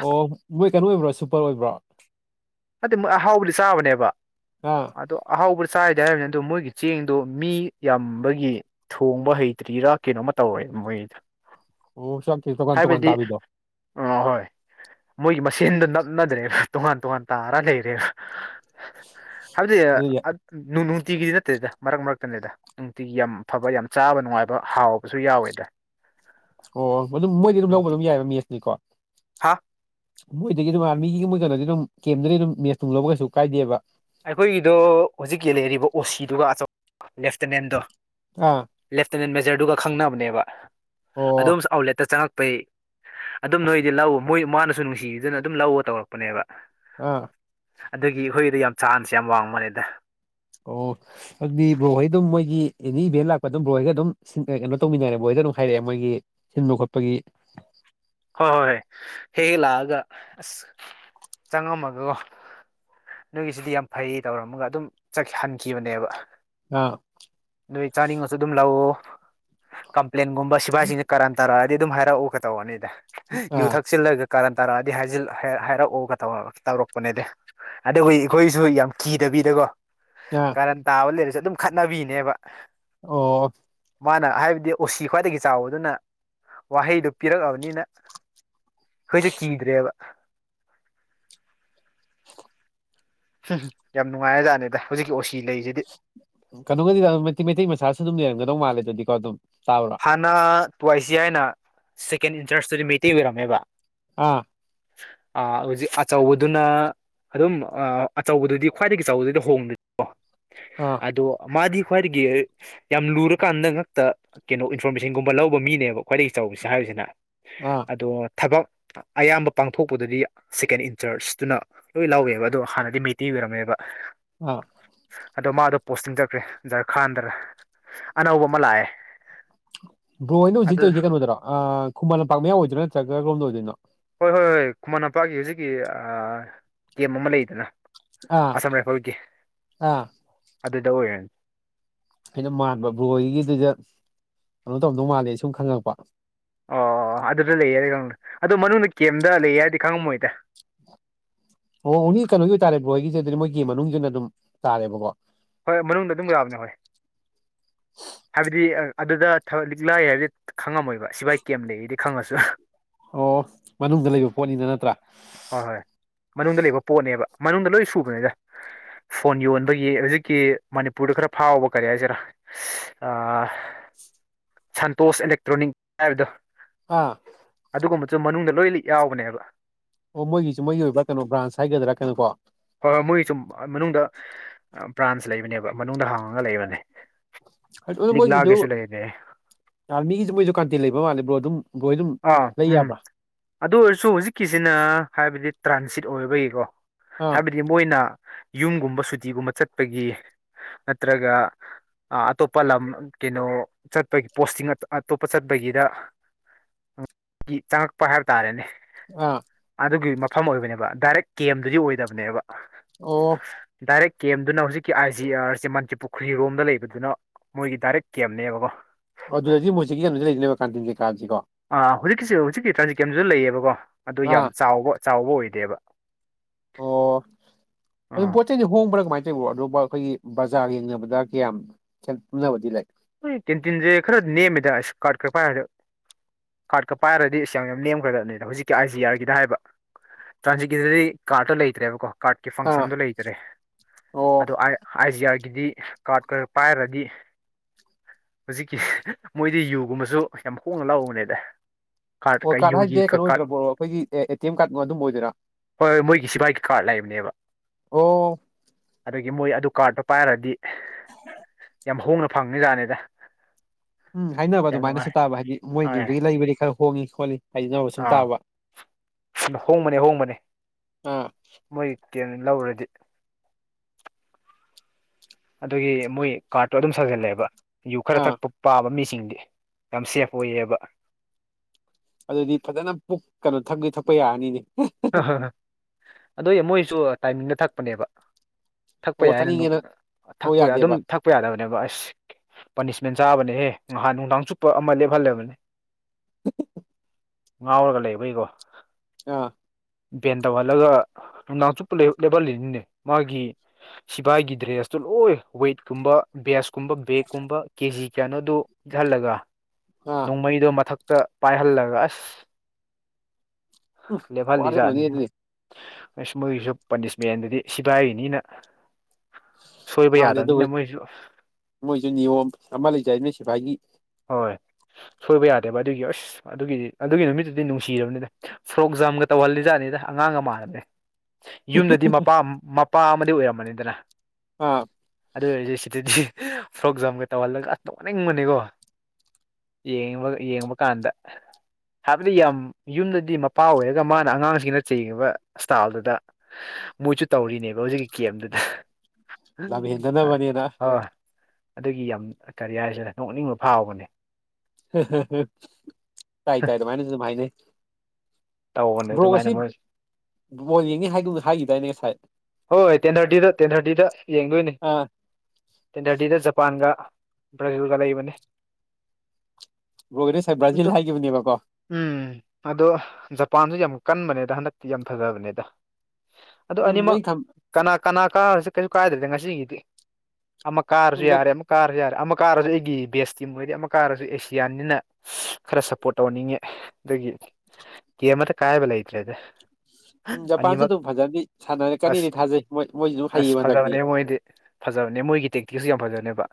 ꯑꯣ ꯃꯣꯏ ꯀꯩꯅꯣ ꯑꯣꯏꯕ꯭ꯔꯣ ꯁꯨꯄꯔ ꯑꯣꯏꯕ꯭ꯔꯣ ꯑꯗꯨ ꯃꯣꯏ ꯑꯍꯥꯎꯕꯗꯤ ꯆꯥꯕꯅꯦꯕ ꯑ ꯑꯗꯣ ꯑꯍꯥꯎꯕ ꯆꯥꯏꯗ ꯍꯥꯏꯔꯕꯅꯤ ꯑꯗꯣ ꯃꯣꯏꯒꯤ ꯆꯦꯡꯗꯣ ꯃꯤ ꯌꯥꯝꯕꯒꯤ ꯊꯣꯡꯕ ꯍꯩꯇ꯭ꯔꯤꯔꯥ ꯀꯩꯅꯣꯝꯃ ꯇꯧꯔꯦ ꯃꯣꯏꯗ ꯎ ꯁꯝ ꯊ ꯇꯀꯥꯟ ꯇꯣꯀꯥꯟ ꯇꯗꯣ ꯑꯍꯣꯏ ꯃꯣꯏꯒꯤ ꯃꯁꯦꯟꯗ ꯅꯞꯅꯗ꯭ꯔꯦꯕ ꯇꯣꯉꯥꯟ ꯇꯣꯉꯥꯟ ꯇꯥꯔ ꯂꯩꯔꯦꯕ ꯍꯥꯏꯗꯤ ꯑꯗꯨꯗꯤ ꯅꯨꯡꯇꯤꯒꯤꯗꯤ ꯅꯠꯇꯦꯗ ꯃꯔꯛ ꯃꯔꯛꯇꯅꯤꯗ ꯅꯨꯡꯇꯤꯒꯤ ꯌꯥꯝ ꯐꯕ ꯌꯥꯝ ꯆꯥꯕ ꯅꯨꯡꯉꯥꯏꯕ ꯍꯥꯎꯕꯁꯨ ꯌꯥꯎꯋꯦꯗ ꯑꯣ ꯑꯗꯨꯝ ꯃꯣꯏꯗꯤ ꯑꯗꯨꯝ ꯂꯧꯕ ꯅꯨꯡꯇꯤ ꯑꯗꯨꯝ ꯌꯥꯏꯑꯕ ꯃꯦꯁꯅꯤꯀꯣ ꯍꯥ ꯃꯣꯏꯗꯒꯤ ꯑꯗꯨꯝ ꯑꯥꯔꯃꯤꯒꯤ ꯃꯣꯏ ꯀꯩꯅꯣꯗꯤ ꯑꯗꯨꯝ ꯀꯦꯝꯗꯗꯤ ꯑꯗꯨꯝ ꯃꯦꯠꯁ ꯇꯨꯡ ꯂꯧꯕ ꯀꯩꯁꯨ ꯀꯥꯏꯗꯦꯕ ꯑꯩꯈꯣꯏꯒꯤꯗꯣ ꯍꯧꯖꯤꯛꯀꯤ ꯂꯩꯔꯤꯕ ꯑꯣꯁꯤꯗꯨꯒ ꯑꯆ ꯂꯦꯞꯇꯤꯅꯦꯟꯗꯣ ꯑꯥ ꯂꯦꯞꯇꯤꯅꯦꯟ ꯃꯦꯖꯔꯗꯨꯒ ꯈꯪꯅꯕꯅꯦꯕ ꯑꯣ ꯑꯗꯣꯝꯁꯨ ꯑꯥꯎꯠꯂꯦꯠꯇ ꯆꯪꯉꯛ ꯄꯩ ꯑꯗꯨꯝ ꯅꯣꯏꯗꯤ ꯂꯧ ꯃꯣꯏ ꯃꯥꯅꯁꯨ ꯅꯨꯡꯁꯤꯗꯨꯅ ꯑꯗꯨꯝ ꯂꯧꯕ ꯇꯧꯔꯛꯄꯅꯦꯕ ꯑꯥ ꯑꯗꯨꯒꯤ ꯑꯩꯈꯣꯏꯒꯤꯗ ꯌꯥꯝ ꯆꯥꯡꯅꯁꯦ ꯌꯥꯝ ꯋꯥꯡꯕꯅꯤꯗ ꯑꯣ ꯑꯗꯨꯗꯤ ꯕ꯭ꯔꯣꯍꯩ ꯑꯗꯨꯝ ꯃꯣꯏꯒꯤ ꯑꯦꯅꯤ ꯏꯚꯦꯟ ꯂꯥꯛꯄ ꯑꯗꯨꯝ ꯕ꯭ꯔꯣꯍꯣꯏꯒ ꯑꯗꯨꯝ ꯀꯩꯅꯣ ꯇꯧꯃꯤꯟꯅꯔꯦ ꯃꯣꯏ ꯀꯩꯅꯣ ꯍꯥꯏꯔꯛꯑꯦ ꯃꯣꯏꯒꯤ ꯁꯤꯟꯕ ꯈꯣꯠꯄꯒꯤ ꯍꯣꯏ ꯍꯣꯏ ꯍꯣꯏ ꯍꯦꯛꯦꯛ ꯂꯥꯛꯑꯒ ꯑꯁ ꯆꯪꯉꯝꯃꯒꯀꯣ ꯅꯣꯏꯒꯤꯁꯤꯗꯤ ꯌꯥꯝ ꯐꯩ ꯇꯧꯔꯝꯃꯒ ꯑꯗꯨꯝ ꯍꯟꯈꯤꯕꯅꯦꯕ ꯑꯥ ꯅꯣꯏ ꯆꯥꯅꯤꯡꯉꯁꯨ ꯑꯗꯨꯝ ꯂꯧꯎ ꯀꯝꯄ꯭ꯂꯦꯟꯒꯨꯝꯕ ꯁꯤꯐꯥꯏꯁꯤꯡꯁꯦ ꯀꯔ ꯇꯔꯒ ꯑꯗꯨꯝ ꯍꯥꯏꯔꯛꯎꯒ ꯇꯧꯕꯔꯅꯤꯗ ꯌꯨ ꯑꯥ ꯊꯛꯆꯤꯜꯂꯒ ꯀꯔꯟ ꯇꯥꯔꯛꯑꯗꯤ ꯍꯥꯏꯔꯛꯎꯒ ꯇꯧꯔꯛꯄꯅꯦꯗꯤ ꯑꯖꯤ ꯑꯩꯈꯣꯏꯁꯨ ꯌꯥꯝ ꯀꯤꯗ ꯕꯤꯗꯣ ꯑꯥ ꯀꯔꯟ ꯇꯥꯕ ꯂꯩꯔꯁꯨꯦ ꯑꯗꯨꯝ ꯈꯠꯅꯕꯤꯅꯦꯕ ꯑꯣ ꯃꯥꯅ ꯍꯥꯏꯕꯗꯤ ꯎꯁꯤ ꯈ꯭ꯋꯥꯏꯗꯒꯤ ꯆꯥꯎꯕꯗꯨꯅ ꯋꯥꯍꯩꯗꯨꯣ ꯄꯤꯔꯛꯑꯕꯅꯤꯅ ꯍꯧꯣꯏꯁꯨꯦ ꯀꯤꯗ꯭ꯔꯦꯕ ꯎꯝ ꯌꯥꯝ ꯅꯨꯡꯉꯥꯏꯔ ꯖꯥꯠꯅꯦꯗ ꯍꯧꯖꯤꯛꯀꯤ ꯑꯣꯏ ꯀꯩꯅꯣꯒꯗꯤꯗꯝ ꯃꯩꯇꯩ ꯃꯩꯇꯩ ꯃꯆꯥꯁꯨ ꯑꯗꯨꯝ ꯂꯩꯔꯝꯒꯗꯧ ꯃꯥꯜꯂꯦ ꯑꯗꯨꯗꯤꯀꯣ ꯑꯗꯨꯝ ꯇꯥꯕ꯭ꯔꯣ ꯍꯥꯟꯅ ꯇꯨꯏꯁꯤ ꯍꯥꯏꯅ ꯁꯦꯀꯦꯟ ꯏꯟꯇꯔꯁꯇꯨꯗꯤ ꯃꯩꯇꯤꯡ ꯑꯣꯏꯔꯝꯃꯦꯕ ꯑꯥ ꯑ ꯍꯧꯖꯤꯛ ꯑꯆꯧꯕꯗꯨꯅ ꯑꯗꯨꯝ ꯑꯆꯧꯕꯗꯨꯗꯤ ꯈ꯭ꯋꯥꯏꯗꯒꯤ ꯑꯆꯧꯕꯗꯨꯗꯤ ꯍꯣꯡꯗꯣꯏꯀꯣ ꯑꯥ ꯑꯗꯣ ꯃꯥꯗꯤ ꯈ꯭ꯋꯥꯏꯗꯒꯤ ꯌꯥꯝ ꯂꯨꯔꯀꯥꯟꯗ ꯉꯥꯛꯇ ꯀꯩꯅꯣ ꯏꯟꯐꯣꯔꯃꯦꯁꯟꯒꯨꯝꯕ ꯂꯧꯕ ꯃꯤꯅꯦꯕ ꯈ꯭ꯋꯥꯏꯗꯒꯤ ꯆꯥꯎꯁꯦ ꯍꯥꯏꯕꯁꯤꯅ ꯑꯥ ꯑꯗꯣ ꯊꯕꯛ ꯑꯌꯥꯝꯕ ꯄꯥꯡꯊꯣꯛꯄꯗꯗꯤ ꯁꯦꯀꯦꯟ ꯏꯟꯆꯔꯁꯇꯨꯅ ꯂꯣꯏ ꯂꯧꯥꯎꯋꯦꯕ ꯑꯗꯣ ꯍꯥꯟꯅꯗꯤ ꯃꯩꯇꯩ ꯑꯣꯏꯔꯝꯃꯦꯕ ꯑ ꯑꯗꯣ ꯃꯥꯗꯣ ꯄꯣꯁ ꯇꯤꯡꯖꯈ꯭ꯔꯦ ꯖꯥꯔ ꯈꯥꯟꯗꯔ ꯑꯅꯧꯕ ꯑꯃ ꯂꯥꯛꯑꯦ ꯕ꯭ꯔꯣ ꯑꯩꯅ ꯍꯧꯖꯤꯛ ꯑꯗꯨ ꯇꯧꯔꯤꯁꯦ ꯀꯩꯅꯣꯗꯔꯣ ꯈꯨꯃꯟ ꯂꯝꯄꯥꯛ ꯃꯌꯥꯎ ꯑꯣꯏꯗꯣꯏꯔ ꯅꯠꯇ꯭ꯔꯒ ꯀꯣꯝꯗ ꯑꯣꯏꯗꯣꯏꯅꯣ ꯍꯣꯏ ꯍꯣꯏ ꯍꯣꯏ ꯈꯨꯃꯟ ꯂꯝꯄꯥꯛꯒꯤ ꯍꯧꯖꯤꯛꯀꯤ ꯀꯦꯝ ꯑꯃ ꯂꯩꯗꯅ ꯑꯥ ꯑꯁꯥꯝ ꯔꯥꯏꯐꯜꯒꯤ ꯑꯥ ꯑꯗꯨꯗ ꯑꯣꯏꯔꯅꯤ ꯑꯩꯅ ꯃꯥꯟꯕ ꯕꯣꯏꯒꯤꯗꯨꯗ ꯀꯩꯅꯣ ꯇꯧꯗꯧ ꯃꯥꯜꯂꯦ ꯁꯨꯝ ꯈꯪꯉꯛꯄ ꯑꯣ ꯑꯗꯨꯗ ꯂꯩꯌꯦꯔ ꯈꯪꯉꯦ ꯑꯗꯣ ꯃꯅꯨꯡꯗ ꯀꯦꯝꯗ ꯂꯩꯌꯦꯦ ꯍꯥꯏꯔꯗꯤ ꯈꯪꯉꯝꯃꯣꯏꯗ ꯑꯣ ꯑꯣꯡꯂꯤ ꯀꯩꯅꯣꯒꯤ ꯑꯣꯏꯇꯥꯥꯔꯦ ꯕ꯭ꯔꯣꯏꯒꯤꯁꯦ ꯑꯗꯨꯗꯤ ꯃꯣꯏꯒꯤ ꯃꯅꯨꯡꯁꯤꯅ ꯑꯗꯨꯝ ꯇꯥꯔꯦꯕꯀꯣ ꯍꯣꯏ ꯃꯅꯨꯡꯗ ꯑꯗꯨꯝ ꯌꯥꯥꯕꯅꯦ ꯍꯣꯏ ꯍꯥꯏꯕꯗꯤ ꯑꯗꯨꯗꯕꯛ ꯂꯤꯛꯂꯥꯏ ꯍꯥꯏꯕꯗꯤ ꯈꯪꯉꯝꯃꯣꯏꯕ ꯁꯤꯐꯥꯏ ꯀꯦꯝ ꯂꯩꯔꯤꯗꯤ ꯈꯪꯉꯁꯨ ꯑꯣ ꯃꯅꯨꯡꯗ ꯂꯩꯕ ꯄꯣꯠꯅꯤꯅ ꯅꯠꯇ꯭ꯔꯥ ꯍꯣꯏ ꯍꯣꯏ ꯃꯅꯨꯡꯗ ꯂꯩꯕ ꯄꯣꯠꯅꯦꯕ ꯃꯅꯨꯡꯗ ꯂꯣꯏ ꯁꯨꯕꯅꯤꯗ ꯐꯣꯟ ꯌꯣꯟꯕꯒꯤ ꯍꯧꯖꯤꯛꯀꯤ ꯃꯅꯤꯄꯨꯔꯗ ꯈꯔ ꯐꯥꯎꯕ ꯀꯔꯤ ꯍꯥꯏꯁꯤꯔꯥ [unintelligible] ꯁꯟꯇꯣꯁ ꯑꯦꯂꯦꯛꯇ꯭ꯔꯣꯅꯤꯛ ꯍꯥꯏꯕꯗꯣ ꯑꯥ ꯑꯗꯨꯒꯨꯝꯕꯁꯨ ꯃꯅꯨꯡꯗ ꯂꯣꯏ ꯂꯤ ꯌꯥꯎꯕꯅꯦꯕ ꯑꯣ ꯃꯣꯏꯒꯤꯁꯨ ꯃꯣꯏꯒꯤ ꯑꯣꯏꯕ ꯀꯩꯅꯣ ꯕ꯭ꯔꯥꯟꯁ ꯍꯥꯏꯒꯗ꯭ꯔꯥ ꯀꯩꯅꯣ ꯀꯣ ꯍꯣꯏ ꯍꯣꯏ ꯃꯣꯏ ꯁꯨꯝ ꯃꯅꯨꯡꯗ ꯕ꯭ꯔꯥꯟꯁ ꯂꯩꯕꯅꯦꯕ ꯃꯅꯨꯡꯗ ꯍꯥꯡꯉꯒ ꯂꯩꯕꯅꯦ ꯑꯗꯨ ꯃꯣꯏꯁꯤꯁꯨ ꯂꯤꯛꯂꯥꯒꯤꯁꯨ ꯂꯩꯕꯅꯦ ꯑꯥꯔꯃꯤꯒꯤꯁꯨ ꯃꯣꯏꯁꯨ ꯀꯥꯟꯇꯦꯜ ꯂꯩꯕ ꯃꯥꯜꯂꯕ꯭ꯔꯣ ꯑꯗꯨꯝ ꯕ꯭ꯔꯣ ꯍꯣꯏ ꯑꯗꯨꯝ ꯑꯥ ꯂꯩ ꯎꯝ ꯌꯥꯕ꯭ꯔꯥ ꯑꯗꯨ ꯑꯣꯏꯔꯁꯨ ꯍꯧꯖꯤꯛꯀꯤꯁꯤꯅ ꯍꯥꯏꯕꯗꯤ ꯇ꯭ꯔꯥꯟꯁꯤꯠ ꯑꯣꯏꯕꯒꯤꯀꯣ ꯑꯥ ꯍꯥꯏꯕꯗꯤ ꯃꯣꯏꯅ ꯌꯨꯝꯒꯨꯝꯕ ꯁꯨꯇꯤꯒꯨꯝꯕ ꯆꯠꯄꯒꯤ ꯑꯠꯇ꯭ꯔꯒ ꯑꯇꯣꯞꯄ ꯂꯝ ꯀꯩꯅꯣ ꯆꯠꯄꯒꯤ ꯄꯣꯁꯇꯤꯡ ꯑꯇꯣꯞꯄ ꯆꯠꯄꯒꯤꯗ ꯆꯪꯉꯛꯄ ꯍꯥꯏꯕ ꯇꯥꯔꯦꯅꯦ ꯑꯥ ꯑꯗꯨꯒꯤ ꯃꯐꯝ ꯑꯣꯏꯕꯅꯦꯕ ꯗꯥꯏꯔꯦꯛ ꯀꯦꯝ ꯑꯦꯝꯗꯨꯗꯤ ꯑꯣꯏꯗꯕꯅꯦꯕ ꯑꯣ ꯗꯥꯏꯔꯦꯛ ꯀꯦꯝꯗꯨꯅ ꯍꯧꯖꯤꯛꯀꯤ ꯑꯥꯏ ꯖꯤ ꯑꯥꯔꯁꯦ ꯃꯟꯆꯤ ꯄꯨꯈ꯭ꯔꯤꯔꯣꯝꯗ ꯂꯩꯕꯗꯨꯅ ꯃꯣꯏꯒꯤ ꯗꯥꯏꯔꯦꯛ ꯀꯦꯝꯅꯦꯕꯀꯣ ꯑꯗꯨꯗꯗꯤ ꯃꯣꯏꯁꯤꯒꯤ ꯂꯩꯗꯅꯦꯕ ꯀꯥꯟꯇꯤꯟꯦ ꯀꯥꯁꯤ ꯀꯣ ꯑꯥ ꯍꯧꯖꯤꯛꯀꯤꯁꯤ ꯍꯧꯖꯤꯛꯀꯤ ꯇ꯭ꯔꯥꯟꯖꯤꯛꯀꯤꯦꯝꯨ ꯂꯩꯌꯦꯕꯀꯣ ꯑꯗꯨ ꯑꯥ ꯌꯥꯝ ꯆꯥꯎꯕ ꯆꯥꯎꯕ ꯑꯣꯏꯗꯦꯕ ꯑꯣ ꯑꯗꯨꯝ ꯑꯥ ꯄꯣ ꯆꯩꯗꯤ ꯍꯣꯡꯕꯔꯒ ꯣ ꯑꯕꯨ ꯑꯩꯈꯣꯏꯒꯤ ꯕꯖꯥꯔ ꯌꯦꯡꯅꯕꯗ ꯀꯌꯥꯝꯦꯜ ꯄꯨꯨꯝꯅꯕꯗꯤ ꯂꯩꯦ ꯇꯤꯟ ꯇꯤꯟꯁꯦ ꯈꯔ ꯅꯦꯝꯃꯦꯗ ꯑꯁ ꯀꯥꯔꯠ ꯈ ꯄꯥꯏꯔ ꯀꯥꯔꯠꯀ ꯄꯥꯏꯔꯗꯤ ꯁꯤ ꯌꯥꯝ ꯌꯥꯝ ꯂꯦꯝꯈ꯭ꯔꯗꯕꯅꯤꯗ ꯍꯧꯖꯤꯛꯀꯤ ꯑꯥꯏ ꯖꯤ ꯑꯥꯔꯒꯤꯗ ꯍꯥꯏꯕ ꯆꯥꯟꯁꯤꯀꯤꯗꯨꯗꯤ ꯀꯥꯔꯇꯣ ꯂꯩꯇ꯭ꯔꯦꯕꯀꯣ ꯀꯥꯔꯠꯀꯤ ꯑꯥ ꯐꯪꯁꯟꯗꯨꯣ ꯂꯩꯇ꯭ꯔꯦ ꯑꯣ ꯑꯗꯣ ꯑꯥꯏꯖꯤ ꯑꯥꯔ ꯑꯗꯨꯗꯤ ꯀꯥꯔꯠ ꯈꯔ ꯄꯥꯏꯔꯗꯤ ꯍꯧꯖꯤꯛꯀꯤ ꯃꯣꯏꯗꯤ ꯌꯨꯒꯨꯝꯕꯁꯨ ꯌꯥꯝ ꯍꯣꯡꯅ ꯂꯥꯛꯎꯧꯕꯅꯦꯗ ꯑꯣ ꯀꯥꯔꯗ ꯍꯥꯏꯁꯦ ꯀꯩꯅꯣ ꯑꯣꯏꯗ꯭ꯔꯕꯣꯔꯣ ꯑꯩꯈꯣꯏꯒꯤ ꯑꯦ ꯇꯤ ꯑꯦꯝ ꯀꯥꯔꯗꯕ ꯑꯗꯨꯝꯕ ꯑꯣꯏꯗꯣꯏꯥ ꯍꯣꯏ ꯍꯣꯏ ꯃꯣꯏꯒꯤ ꯁꯤꯐꯥꯏꯒꯤ ꯀꯥꯔꯠ ꯂꯩꯕꯅꯦꯕ ꯑꯣ ꯑꯗꯒꯤ ꯃꯣꯏ ꯑꯗꯨ ꯀꯥꯔꯠꯇꯣ ꯄꯥꯏꯔꯗꯤ [unintelligible] ꯌꯥꯝ ꯍꯣꯡꯅ ꯐꯪꯅꯤ ꯖꯥꯠꯅꯤꯗ ꯎꯝ ꯍꯥꯏꯅꯕ ꯑꯗꯨꯃꯥꯏꯅꯁꯨ ꯇꯥꯕ ꯍꯥꯏꯗꯤ ꯍꯣꯏ ꯃꯣꯏꯗꯨꯗꯒꯤ ꯂꯩꯕꯗꯤ ꯈꯔ ꯍꯣꯡꯉꯤ ꯈꯣꯠꯂꯤ ꯍꯥꯏꯅꯕ ꯁꯨꯝ ꯑꯥ ꯇꯥꯕ ꯍꯣꯡꯕꯅꯤ ꯍꯣꯡꯕꯅꯦ ꯑꯥ ꯃꯣꯏ ꯀꯦꯝ ꯂꯧꯔꯗꯤ ꯑꯗꯨꯒꯤ ꯃꯣꯏ ꯀꯥꯔꯠꯇꯣ ꯑꯗꯨꯝ ꯁꯥꯖꯜꯂꯛꯑꯦꯕ ꯖꯨ ꯈꯔ ꯑꯥ ꯊꯛꯄ ꯄꯥꯕ ꯃꯤꯁ ꯁꯤꯡꯗꯤ ꯌꯥꯝ ꯁꯦꯐ ꯑꯣꯏꯌꯦꯕ ꯑꯗꯨꯗꯤ ꯐꯖꯅ ꯄꯨꯛ ꯀꯩꯅꯣ ꯊꯛꯇꯣꯏ ꯊꯛꯄ ꯌꯥꯔꯅꯤꯅꯦ ꯑꯗꯨꯏ ꯃꯣꯏꯁꯨ ꯇꯥꯏꯃꯤꯡꯗ ꯊꯛꯄꯅꯦꯕ ꯊꯛꯄ ꯑꯣ ꯌꯥꯏ ꯍꯥꯏꯅ ꯊꯛꯅꯤꯡꯉꯦꯅ ꯊꯛꯎ ꯊꯛꯄ ꯑꯗꯨꯝ ꯌꯥꯗꯦꯕ ꯊꯛꯄ ꯌꯥꯗꯕꯅꯦꯕ ꯑꯁ ꯄꯥꯅꯤꯁꯃꯦꯟ ꯆꯥꯕꯅꯦ ꯑꯦꯍꯦ ꯉꯍꯥꯟ ꯅꯨꯡꯗꯥꯡ ꯆꯨꯞꯄ ꯑꯃ ꯂꯦꯞꯍꯜꯂꯕꯅꯦ ꯉꯥꯎꯔꯒ ꯂꯩꯕꯩꯀꯣ ꯑꯥ ꯚꯦꯟ ꯇꯧꯍꯜꯂꯒ ꯅꯨꯡꯗꯥꯡ ꯆꯨꯞꯄ ꯂꯦꯞꯍꯜꯂꯤꯅꯤꯅꯦ ꯃꯥꯒꯤ ꯁꯤꯐꯥꯏꯒꯤ ꯗ꯭ꯔꯦꯁꯇꯨ ꯂꯣꯏ ꯋꯦꯠꯀꯨꯝꯕ ꯕꯦꯁ ꯀꯨꯝꯕ ꯕꯦꯒꯀꯨꯝꯕ ꯀꯦ ꯖꯤ ꯀꯌꯥꯅꯣꯗꯨꯣ ꯏꯤꯠꯍꯜꯂꯒ ꯑꯥ ꯅꯣꯡꯃꯩꯗꯣ ꯃꯊꯛ ꯇ ꯄꯥꯏꯍꯜꯂꯒ ꯑꯁ ꯂꯦꯞꯐꯥꯜꯂꯤꯖꯥꯅꯤ ꯋꯥꯔꯝꯒꯅꯤ ꯑꯗꯨꯗꯤ ꯑꯁ ꯃꯣꯏꯒꯤꯁꯨ ꯄꯥꯅꯤꯁꯃꯦꯟꯗꯗꯤ ꯁꯤꯐꯥꯏꯅꯤꯅ ꯃꯥꯅꯦ ꯑꯗꯨꯒ ꯃꯣꯏꯁꯨ ꯅꯤꯌꯣꯝ ꯑꯃ ꯂꯩꯖꯩ ꯅꯣꯏ ꯁꯤꯐꯥꯏꯒꯤ ꯍꯣꯏ ꯁꯣꯏꯕ ꯌꯥꯗꯦꯕ ꯑꯗꯨꯒꯤ ꯑꯁ ꯑꯗꯨꯒꯤꯗꯤ ꯑꯗꯨꯒꯤ ꯅꯨꯃꯤꯠꯇꯨꯗꯤ ꯅꯨꯡꯁꯤꯔꯕꯅꯤꯗ ꯐꯣꯔꯣꯛ ꯖꯥꯝꯒ ꯇꯧꯍꯜꯂꯤꯖꯥꯠꯅꯤ ꯗ ꯑꯉꯥꯡ ꯑꯃ ꯃꯥꯅꯕꯅꯦ ꯌꯨꯝꯗꯗꯤ ꯃꯄꯥ ꯃꯄꯥ ꯑꯃꯗꯤ ꯑꯣꯏꯔꯝꯕꯅꯤꯗꯅ ꯑꯥ ꯑꯗꯨ ꯑꯣꯏꯔꯗꯤ ꯁꯤꯗꯗꯤ ꯐꯣꯔꯣꯛ ꯖꯥꯝꯒ ꯇꯧꯍꯜꯂꯒ ꯇꯣꯛꯅꯤꯡꯕꯅꯤꯀꯣ ꯌꯦꯡꯕ ꯌꯦꯡꯕ ꯀꯥꯟꯗ ꯍꯥꯏꯕꯗꯤ ꯌꯥꯝ ꯌꯨꯝꯗꯗꯤ ꯃꯄꯥ ꯑꯣꯏꯔꯒ ꯃꯥꯅ ꯑꯉꯥꯡꯁꯤꯡꯅ ꯆꯡꯉꯤꯕ ꯏꯁꯇꯥꯏꯜꯗꯨꯗ ꯃꯣꯏꯁꯨ ꯇꯧꯔꯤꯅꯦꯕ ꯍꯧꯖꯤꯛꯀꯤ ꯀꯦꯝꯗꯨꯗ ꯂꯝ ꯍꯦꯟꯗꯅꯕꯅꯦꯅ ꯍꯣꯏ ꯑꯗꯨꯒꯤ ꯌꯥꯝ ꯀꯔꯤ ꯍꯥꯏꯁꯤꯅ ꯅꯣꯛꯅꯤꯡꯕ ꯐꯥꯎꯕꯅꯦ ꯇꯥꯏ ꯇꯥꯏ ꯑꯗꯨ ꯃꯥꯥꯏꯅꯁꯨ ꯑꯗꯨ ꯍꯥꯏꯥꯏꯅꯦ ꯇꯧꯕꯅꯦ ꯑꯗꯨꯃꯥꯏꯅ ꯃꯣꯏꯁꯨ ꯨꯠꯕꯣꯜ ꯌꯦꯡꯅꯤ ꯍꯥꯏꯗꯨꯧꯅ ꯍꯥꯏꯈꯤꯗꯥꯏꯅꯦ ꯉꯁꯥꯏ ꯍꯣꯏ ꯍꯣꯏ ꯇꯦꯟ ꯊꯥꯔꯇꯤꯗ ꯇꯦꯟ ꯊꯥꯔꯇꯤꯗ ꯌꯦꯡꯗꯣꯏꯅꯦ ꯑꯥ ꯇꯦꯟ ꯊꯥꯔꯇꯤꯗ ꯖꯄꯥꯟꯒ ꯕ꯭ꯔꯥꯖꯜꯒ ꯂꯩꯕꯅꯦ ꯕ꯭ꯔꯣꯍꯣꯏꯅ ꯉꯁꯥꯏ ꯕ꯭ꯔꯥꯖꯤꯜ ꯍꯥꯏꯈꯤꯕꯅꯦꯕꯀꯣ ꯎꯝ ꯑꯗꯣ ꯖꯄꯥꯟꯁꯨ ꯌꯥꯝ ꯀꯟꯕꯅꯦꯗ ꯍꯟꯗꯛꯇꯤ ꯌꯥꯝ ꯐꯖꯕꯅꯦꯗ ꯑꯗꯨ ꯎꯝ ꯑꯅꯤꯃꯛ ꯑꯩ ꯈꯟ ꯀꯅꯥ ꯀꯅꯥ ꯀꯥꯔꯁꯦ ꯀꯩꯁꯨ ꯀꯥꯏꯗ꯭ꯔꯗ ꯉꯁꯤꯒꯤꯗꯤ ꯑꯃ ꯀꯥꯔ ꯎꯝ ꯌꯥꯔꯦ ꯀꯥꯔꯔꯦ ꯑꯃ ꯀꯥꯔꯁꯨ ꯑꯩꯒꯤ ꯕꯦꯁ ꯇꯤꯝ ꯑꯣꯏꯔꯗꯤ ꯑꯃ ꯀꯥꯔꯁꯨ ꯑꯦꯁꯤꯌꯥꯟꯅꯤꯅ ꯈꯔ ꯁꯞꯄꯣꯔꯠ ꯇꯧꯍꯅꯤꯡꯉꯦ ꯑꯩꯗꯒꯤ [unintelligible] ꯀꯃ ꯀꯥꯏ ꯂ ꯏꯠꯂ ꯎꯝ ꯖꯄꯥꯟꯁꯨ ꯑꯗꯨꯝ ꯐꯖꯗꯤ ꯁꯥꯟꯅꯔꯦ ꯑꯁ ꯀꯔꯤꯗꯤ ꯊꯥꯖꯩ ꯃꯣꯏ ꯃꯣꯏꯁꯨ ꯑꯗꯨꯝ ꯑꯁ ꯍꯩꯌꯦ ꯐꯖꯕꯅꯦ ꯍꯟꯗꯛꯇꯤ ꯃꯣꯏꯗꯤ ꯐꯖꯕꯅꯦ ꯃꯣꯏꯒꯤ ꯇꯦꯛꯇꯤꯛꯁꯨ ꯌꯥꯝ ꯐꯖꯕꯅꯦꯕ